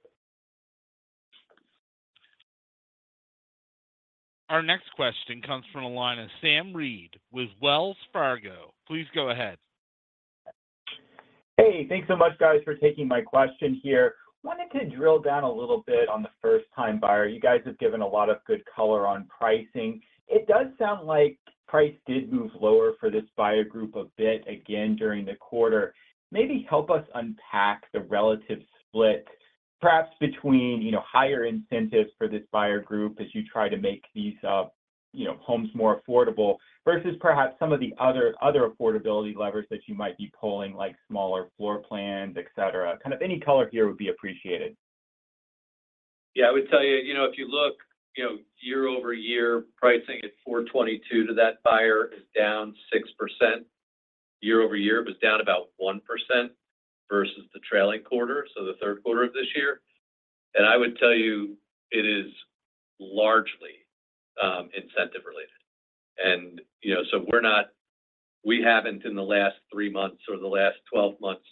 Our next question comes from the line of Sam Reid with Wells Fargo. Please go ahead. Hey, thanks so much, guys, for taking my question here. Wanted to drill down a little bit on the first-time buyer. You guys have given a lot of good color on pricing. It does sound like price did move lower for this buyer group a bit again during the quarter. Maybe help us unpack the relative split, perhaps between, you know, higher incentives for this buyer group as you try to make these, you know, homes more affordable, versus perhaps some of the other affordability levers that you might be pulling, like smaller floor plans, et cetera. Kind of any color here would be appreciated. Yeah, I would tell you, you know, if you look, you know, year over year, pricing at $422 to that buyer is down 6%. Year over year, it was down about 1% versus the trailing quarter, so the third quarter of this year. And I would tell you, it is largely incentive related. And, you know, so we haven't, in the last 3 months or the last 12 months,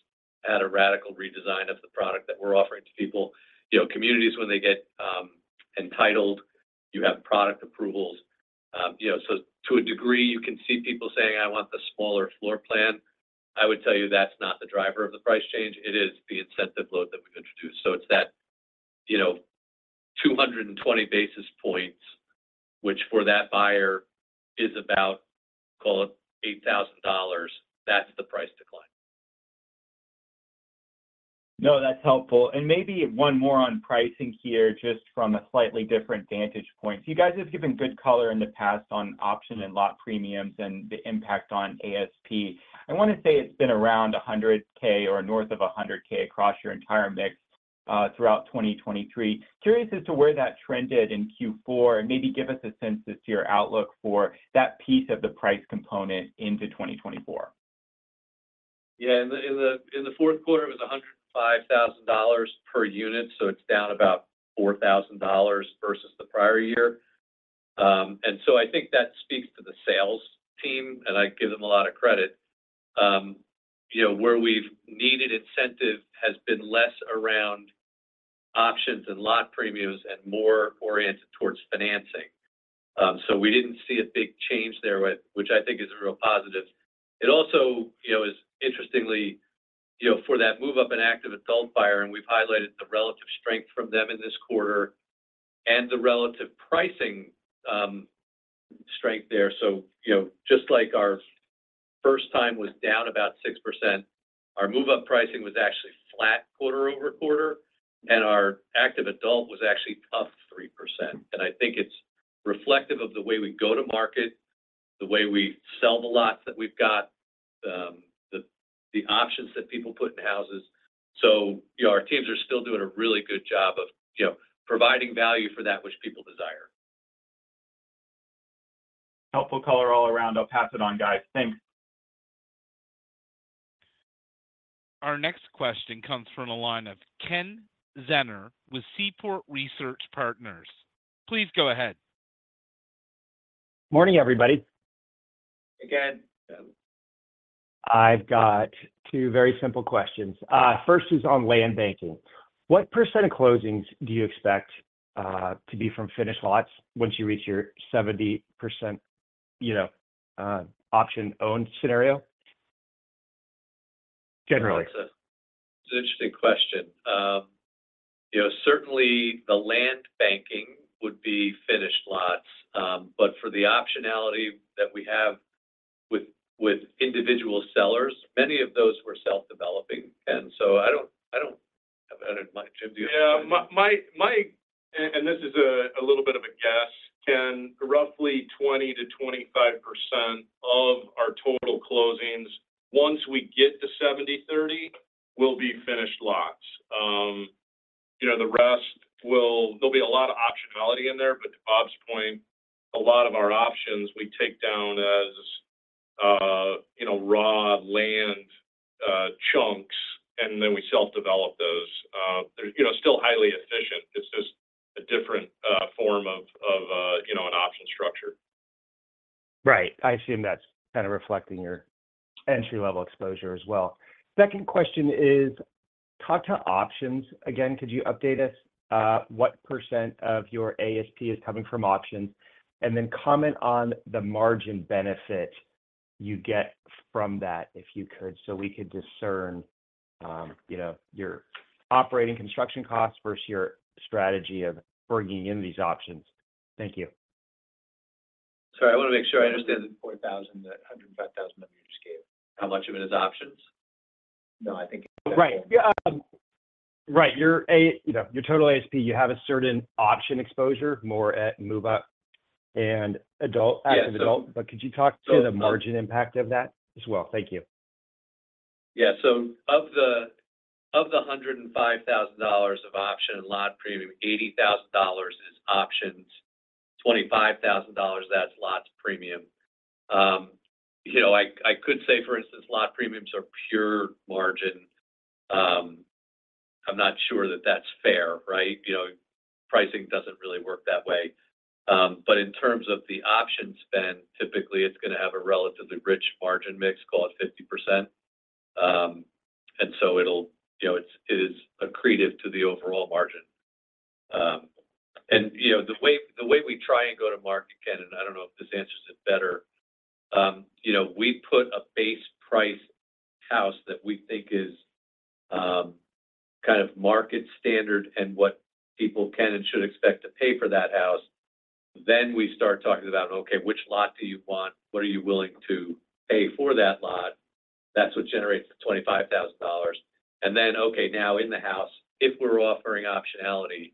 had a radical redesign of the product that we're offering to people. You know, communities, when they get entitled, you have product approvals. You know, so to a degree, you can see people saying, "I want the smaller floor plan." I would tell you, that's not the driver of the price change. It is the incentive load that we've introduced. So it's that, you know, 220 basis points, which for that buyer is about, call it $8,000. That's the price decline.... No, that's helpful. And maybe one more on pricing here, just from a slightly different vantage point. You guys have given good color in the past on option and lot premiums and the impact on ASP. I want to say it's been around $100K or north of $100K across your entire mix throughout 2023. Curious as to where that trended in Q4, and maybe give us a sense as to your outlook for that piece of the price component into 2024. Yeah, in the fourth quarter, it was $105,000 per unit, so it's down about $4,000 versus the prior year. And so I think that speaks to the sales team, and I give them a lot of credit. You know, where we've needed incentive has been less around options and lot premiums and more oriented towards financing. So we didn't see a big change there, which I think is a real positive. It also, you know, is interestingly, you know, for that move-up and active adult buyer, and we've highlighted the relative strength from them in this quarter and the relative pricing strength there. So, you know, just like our first-time was down about 6%, our move-up pricing was actually flat quarter-over-quarter, and our active adult was actually up 3%. And I think it's reflective of the way we go to market, the way we sell the lots that we've got, the options that people put in houses. So, you know, our teams are still doing a really good job of, you know, providing value for that which people desire. Helpful color all around. I'll pass it on, guys. Thanks. Our next question comes from a line of Ken Zener with Seaport Research Partners. Please go ahead. Morning, everybody. Hey, Ken. I've got two very simple questions. First is on land banking. What percent of closings do you expect to be from finished lots once you reach your 70%, you know, option-owned scenario, generally? That's an interesting question. You know, certainly the land banking would be finished lots, but for the optionality that we have with, with individual sellers, many of those were self-developing, and so I don't, I don't have that in mind. Jim, do you- Yeah, my and this is a little bit of a guess. Ken, roughly 20%-25% of our total closings, once we get to 70/30, will be finished lots. You know, the rest will... There'll be a lot of optionality in there, but to Bob's point, a lot of our options we take down as, you know, raw land chunks, and then we self-develop those. They're, you know, still highly efficient. It's just a different form of, you know, an option structure. Right. I assume that's kind of reflecting your entry-level exposure as well. Second question is, talk to options. Again, could you update us, what % of your ASP is coming from options? And then comment on the margin benefit you get from that, if you could, so we could discern, you know, your operating construction costs versus your strategy of bringing in these options. Thank you. Sorry, I want to make sure I understand the $4,000, the $105,000 that you just gave. How much of it is options? No, I think- Right. Yeah, right. Your A, you know, your total ASP, you have a certain option exposure, more at move-up and adult, active adult. Yeah, so- But could you talk to the margin impact of that as well? Thank you. Yeah. So of the $105,000 of option and lot premium, $80,000 is options, $25,000, that's lot premium. You know, I could say, for instance, lot premiums are pure margin. I'm not sure that that's fair, right? You know, pricing doesn't really work that way. But in terms of the option spend, typically, it's going to have a relatively rich margin mix, call it 50%. And so it'll, you know, it is accretive to the overall margin. And, you know, the way we try and go to market, Ken, and I don't know if this answers it better. You know, we put a base price house that we think is kind of market standard and what people can and should expect to pay for that house. Then, we start talking about, "Okay, which lot do you want? What are you willing to pay for that lot?" That's what generates the $25,000. And then, okay, now, in the house, if we're offering optionality,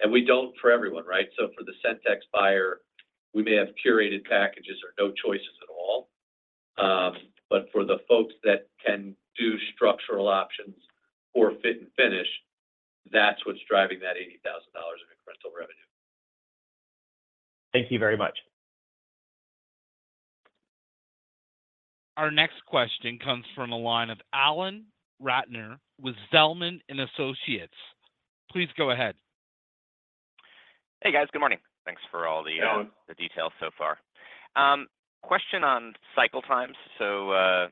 and we don't for everyone, right? So for the Centex buyer, we may have curated packages or no choices at all. But for the folks that can do structural options for fit and finish, that's what's driving that $80,000 in incremental revenue. Thank you very much. Our next question comes from a line of Alan Ratner with Zelman and Associates. Please go ahead. Hey, guys. Good morning. Thanks for all the- Good morning... the details so far. Question on cycle times. So,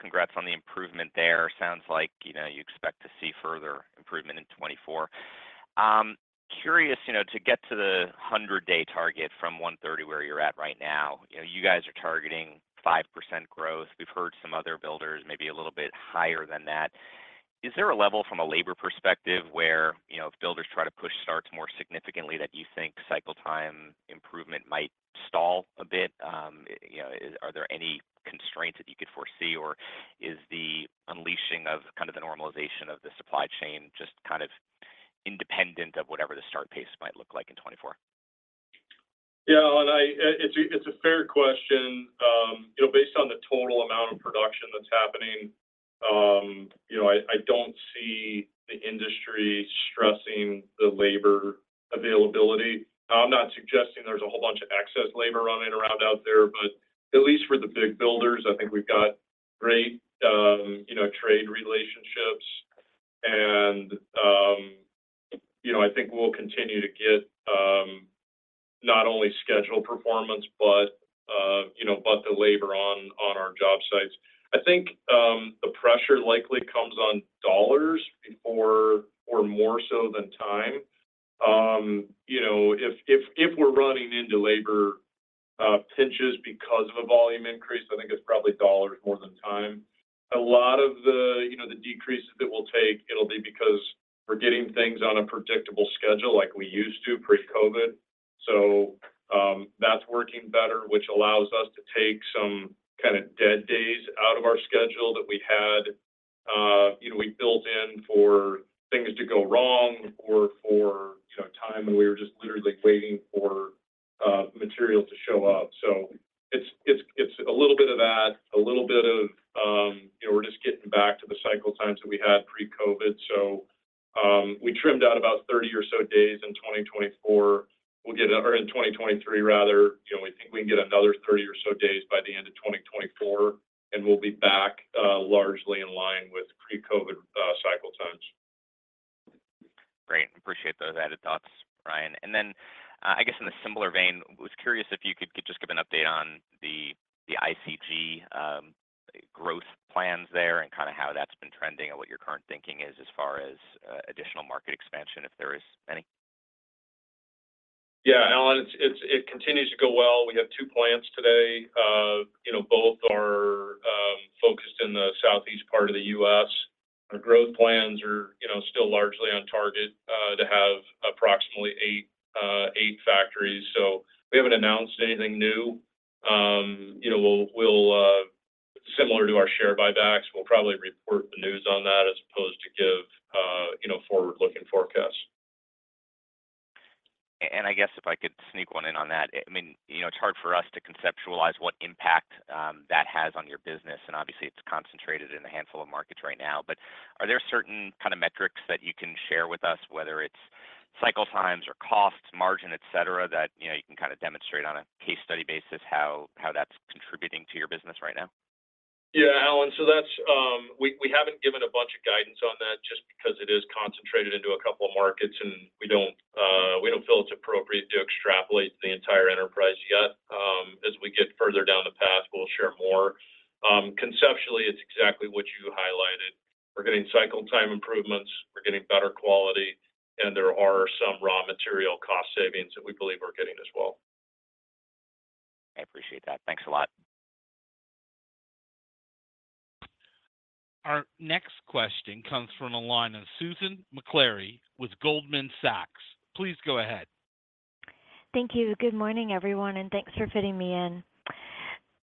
congrats on the improvement there. Sounds like, you know, you expect to see further improvement in 2024. Curious, you know, to get to the 100-day target from 130, where you're at right now, you know, you guys are targeting 5% growth. We've heard some other builders may be a little bit higher than that. Is there a level from a labor perspective where, you know, if builders try to push starts more significantly, that you think cycle time improvement might stall a bit? You know, are there any constraints that you could foresee, or is the unleashing of kind of the normalization of the supply chain just kind of independent of whatever the start pace might look like in 2024?... Yeah, and it's a fair question. You know, based on the total amount of production that's happening, you know, I don't see the industry stressing the labor availability. Now, I'm not suggesting there's a whole bunch of excess labor running around out there, but at least for the big builders, I think we've got great, you know, trade relationships. And, you know, I think we'll continue to get, not only schedule performance, but, you know, but the labor on our job sites. I think, the pressure likely comes on dollars before or more so than time. You know, if we're running into labor pinches because of a volume increase, I think it's probably dollars more than time. A lot of the, you know, the decreases it will take, it'll be because we're getting things on a predictable schedule like we used to pre-COVID. So, that's working better, which allows us to take some kind of dead days out of our schedule that we had, you know, we built in for things to go wrong or for, you know, time, and we were just literally waiting for material to show up. So it's a little bit of that, a little bit of, you know, we're just getting back to the cycle times that we had pre-COVID. So, we trimmed out about 30 or so days in 2024. We'll get or in 2023, rather. You know, we think we can get another 30 or so days by the end of 2024, and we'll be back, largely in line with pre-COVID, cycle times. Great. Appreciate those added thoughts, Ryan. And then, I guess in a similar vein, was curious if you could just give an update on the, the ICG, growth plans there and kind of how that's been trending and what your current thinking is as far as, additional market expansion, if there is any? Yeah, Alan, it's it continues to go well. We have 2 plants today. You know, both are focused in the southeast part of the U.S. Our growth plans are, you know, still largely on target to have approximately 8 factories. So we haven't announced anything new. You know, we'll similar to our share buybacks, we'll probably report the news on that as opposed to give you know, forward-looking forecasts. And I guess if I could sneak one in on that. I mean, you know, it's hard for us to conceptualize what impact that has on your business, and obviously, it's concentrated in a handful of markets right now. But are there certain kind of metrics that you can share with us, whether it's cycle times or costs, margin, et cetera, that, you know, you can kind of demonstrate on a case study basis how that's contributing to your business right now? Yeah, Alan, so that's... We haven't given a bunch of guidance on that just because it is concentrated into a couple of markets, and we don't, we don't feel it's appropriate to extrapolate to the entire enterprise yet. As we get further down the path, we'll share more. Conceptually, it's exactly what you highlighted. We're getting cycle time improvements, we're getting better quality, and there are some raw material cost savings that we believe we're getting as well. I appreciate that. Thanks a lot. Our next question comes from the line of Susan Maklari with Goldman Sachs. Please go ahead. Thank you. Good morning, everyone, and thanks for fitting me in.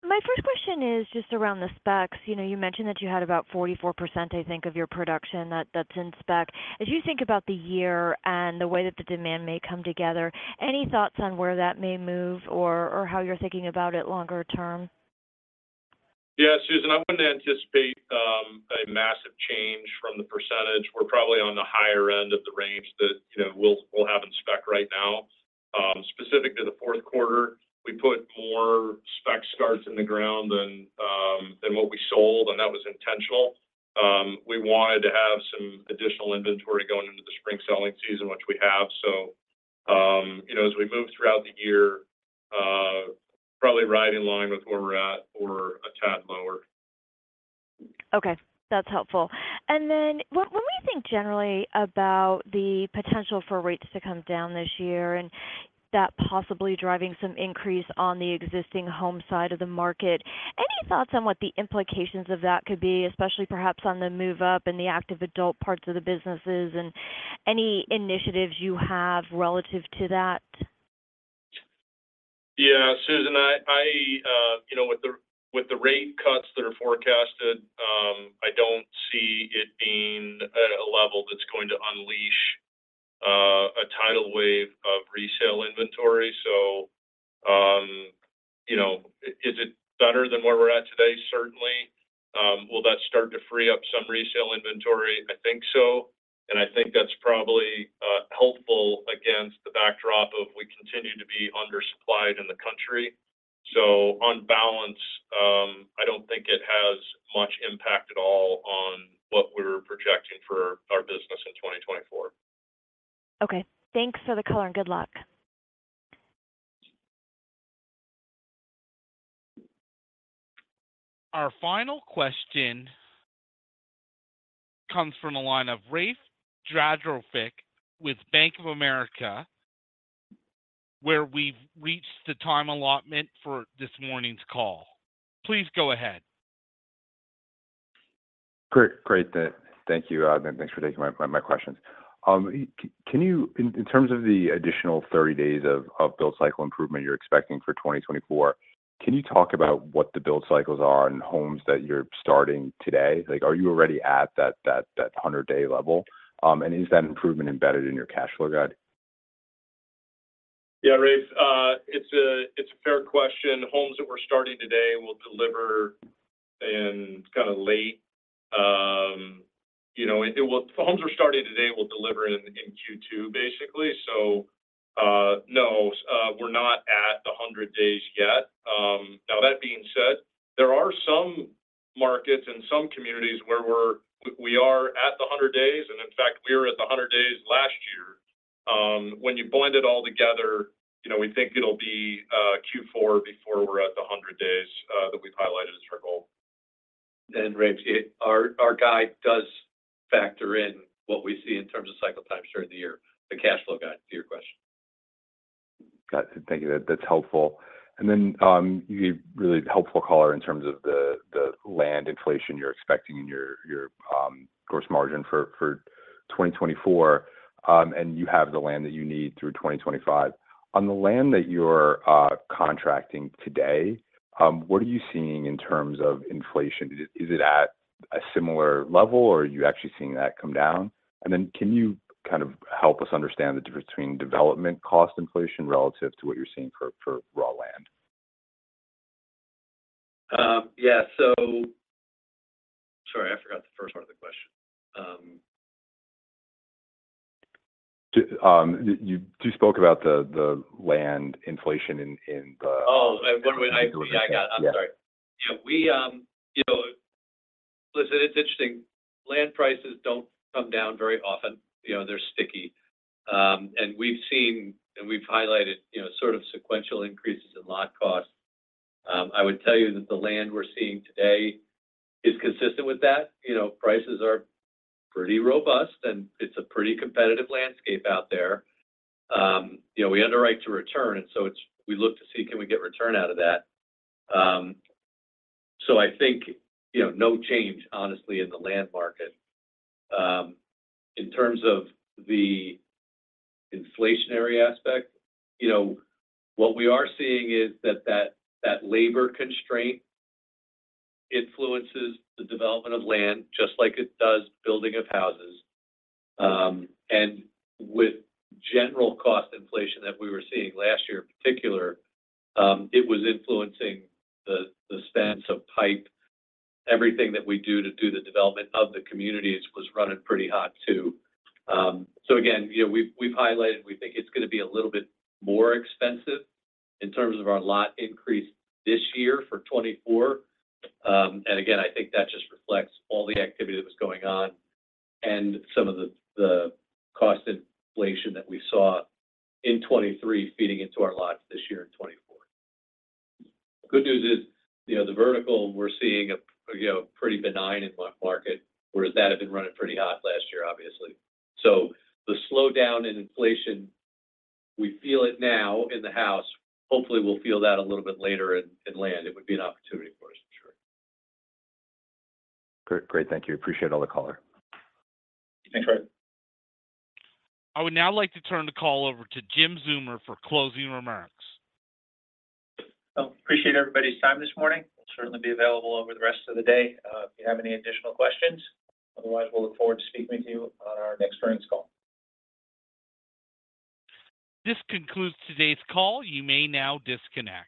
My first question is just around the specs. You know, you mentioned that you had about 44%, I think, of your production, that's in spec. As you think about the year and the way that the demand may come together, any thoughts on where that may move or, or how you're thinking about it longer term? Yeah, Susan, I wouldn't anticipate a massive change from the percentage. We're probably on the higher end of the range that, you know, we'll have in spec right now. Specific to the fourth quarter, we put more spec starts in the ground than what we sold, and that was intentional. We wanted to have some additional inventory going into the spring selling season, which we have. So, you know, as we move throughout the year, probably right in line with where we're at or a tad lower. Okay, that's helpful. And then when we think generally about the potential for rates to come down this year and that possibly driving some increase on the existing home side of the market, any thoughts on what the implications of that could be, especially perhaps on the move up and the active adult parts of the businesses and any initiatives you have relative to that? Yeah, Susan, you know, with the rate cuts that are forecasted, I don't see it being at a level that's going to unleash a tidal wave of resale inventory. So, you know, is it better than where we're at today? Certainly. Will that start to free up some resale inventory? I think so, and I think that's probably helpful against the backdrop of we continue to be undersupplied in the country. So on balance, I don't think it has much impact at all on what we're projecting for our business in 2024. Okay. Thanks for the color, and good luck. Our final question comes from the line of Rafe Jadrosich with Bank of America, where we've reached the time allotment for this morning's call. Please go ahead. Great, great. Thank you, and thanks for taking my questions. Can you—in terms of the additional 30 days of build cycle improvement you're expecting for 2024, can you talk about what the build cycles are in homes that you're starting today? Like, are you already at that 100-day level? And is that improvement embedded in your cash flow guide?... Yeah, Rafe, it's a fair question. Homes that we're starting today will deliver in kind of late. You know, it will, the homes we're starting today will deliver in Q2, basically. So, no, we're not at 100 days yet. Now, that being said, there are some markets and some communities where we are at the 100 days, and in fact, we were at the 100 days last year. When you blend it all together, you know, we think it'll be Q4 before we're at the 100 days that we've highlighted as our goal. And Rafe, our guide does factor in what we see in terms of cycle times during the year, the cash flow guide, to your question. Got it. Thank you. That, that's helpful. And then, you gave really helpful color in terms of the, the land inflation you're expecting in your, your, gross margin for 2024. And you have the land that you need through 2025. On the land that you're, contracting today, what are you seeing in terms of inflation? Is it, is it at a similar level, or are you actually seeing that come down? And then, can you kind of help us understand the difference between development cost inflation relative to what you're seeing for, for raw land? Yeah. So... Sorry, I forgot the first part of the question. You spoke about the land inflation in the- Yeah, I got it. Yeah. I'm sorry. Yeah, we, you know, listen, it's interesting. Land prices don't come down very often. You know, they're sticky. And we've seen, and we've highlighted, you know, sort of sequential increases in lot costs. I would tell you that the land we're seeing today is consistent with that. You know, prices are pretty robust, and it's a pretty competitive landscape out there. You know, we underwrite to return, and so it's we look to see can we get return out of that. So I think, you know, no change, honestly, in the land market. In terms of the inflationary aspect, you know, what we are seeing is that labor constraint influences the development of land, just like it does building of houses. And with general cost inflation that we were seeing last year in particular, it was influencing the cost of pipe. Everything that we do to do the development of the communities was running pretty hot, too. So again, you know, we've highlighted, we think it's gonna be a little bit more expensive in terms of our lot increase this year for 2024. And again, I think that just reflects all the activity that was going on and some of the cost inflation that we saw in 2023 feeding into our lots this year in 2024. Good news is, you know, the vertical, we're seeing a pretty benign input market, whereas that had been running pretty hot last year, obviously. So the slowdown in inflation, we feel it now in the house. Hopefully, we'll feel that a little bit later in land. It would be an opportunity for us, for sure. Great, great. Thank you. Appreciate all the color. Thanks, Rafe. I would now like to turn the call over to Jim Zeumer for closing remarks. Well, appreciate everybody's time this morning. We'll certainly be available over the rest of the day, if you have any additional questions. Otherwise, we'll look forward to speaking with you on our next earnings call. This concludes today's call. You may now disconnect.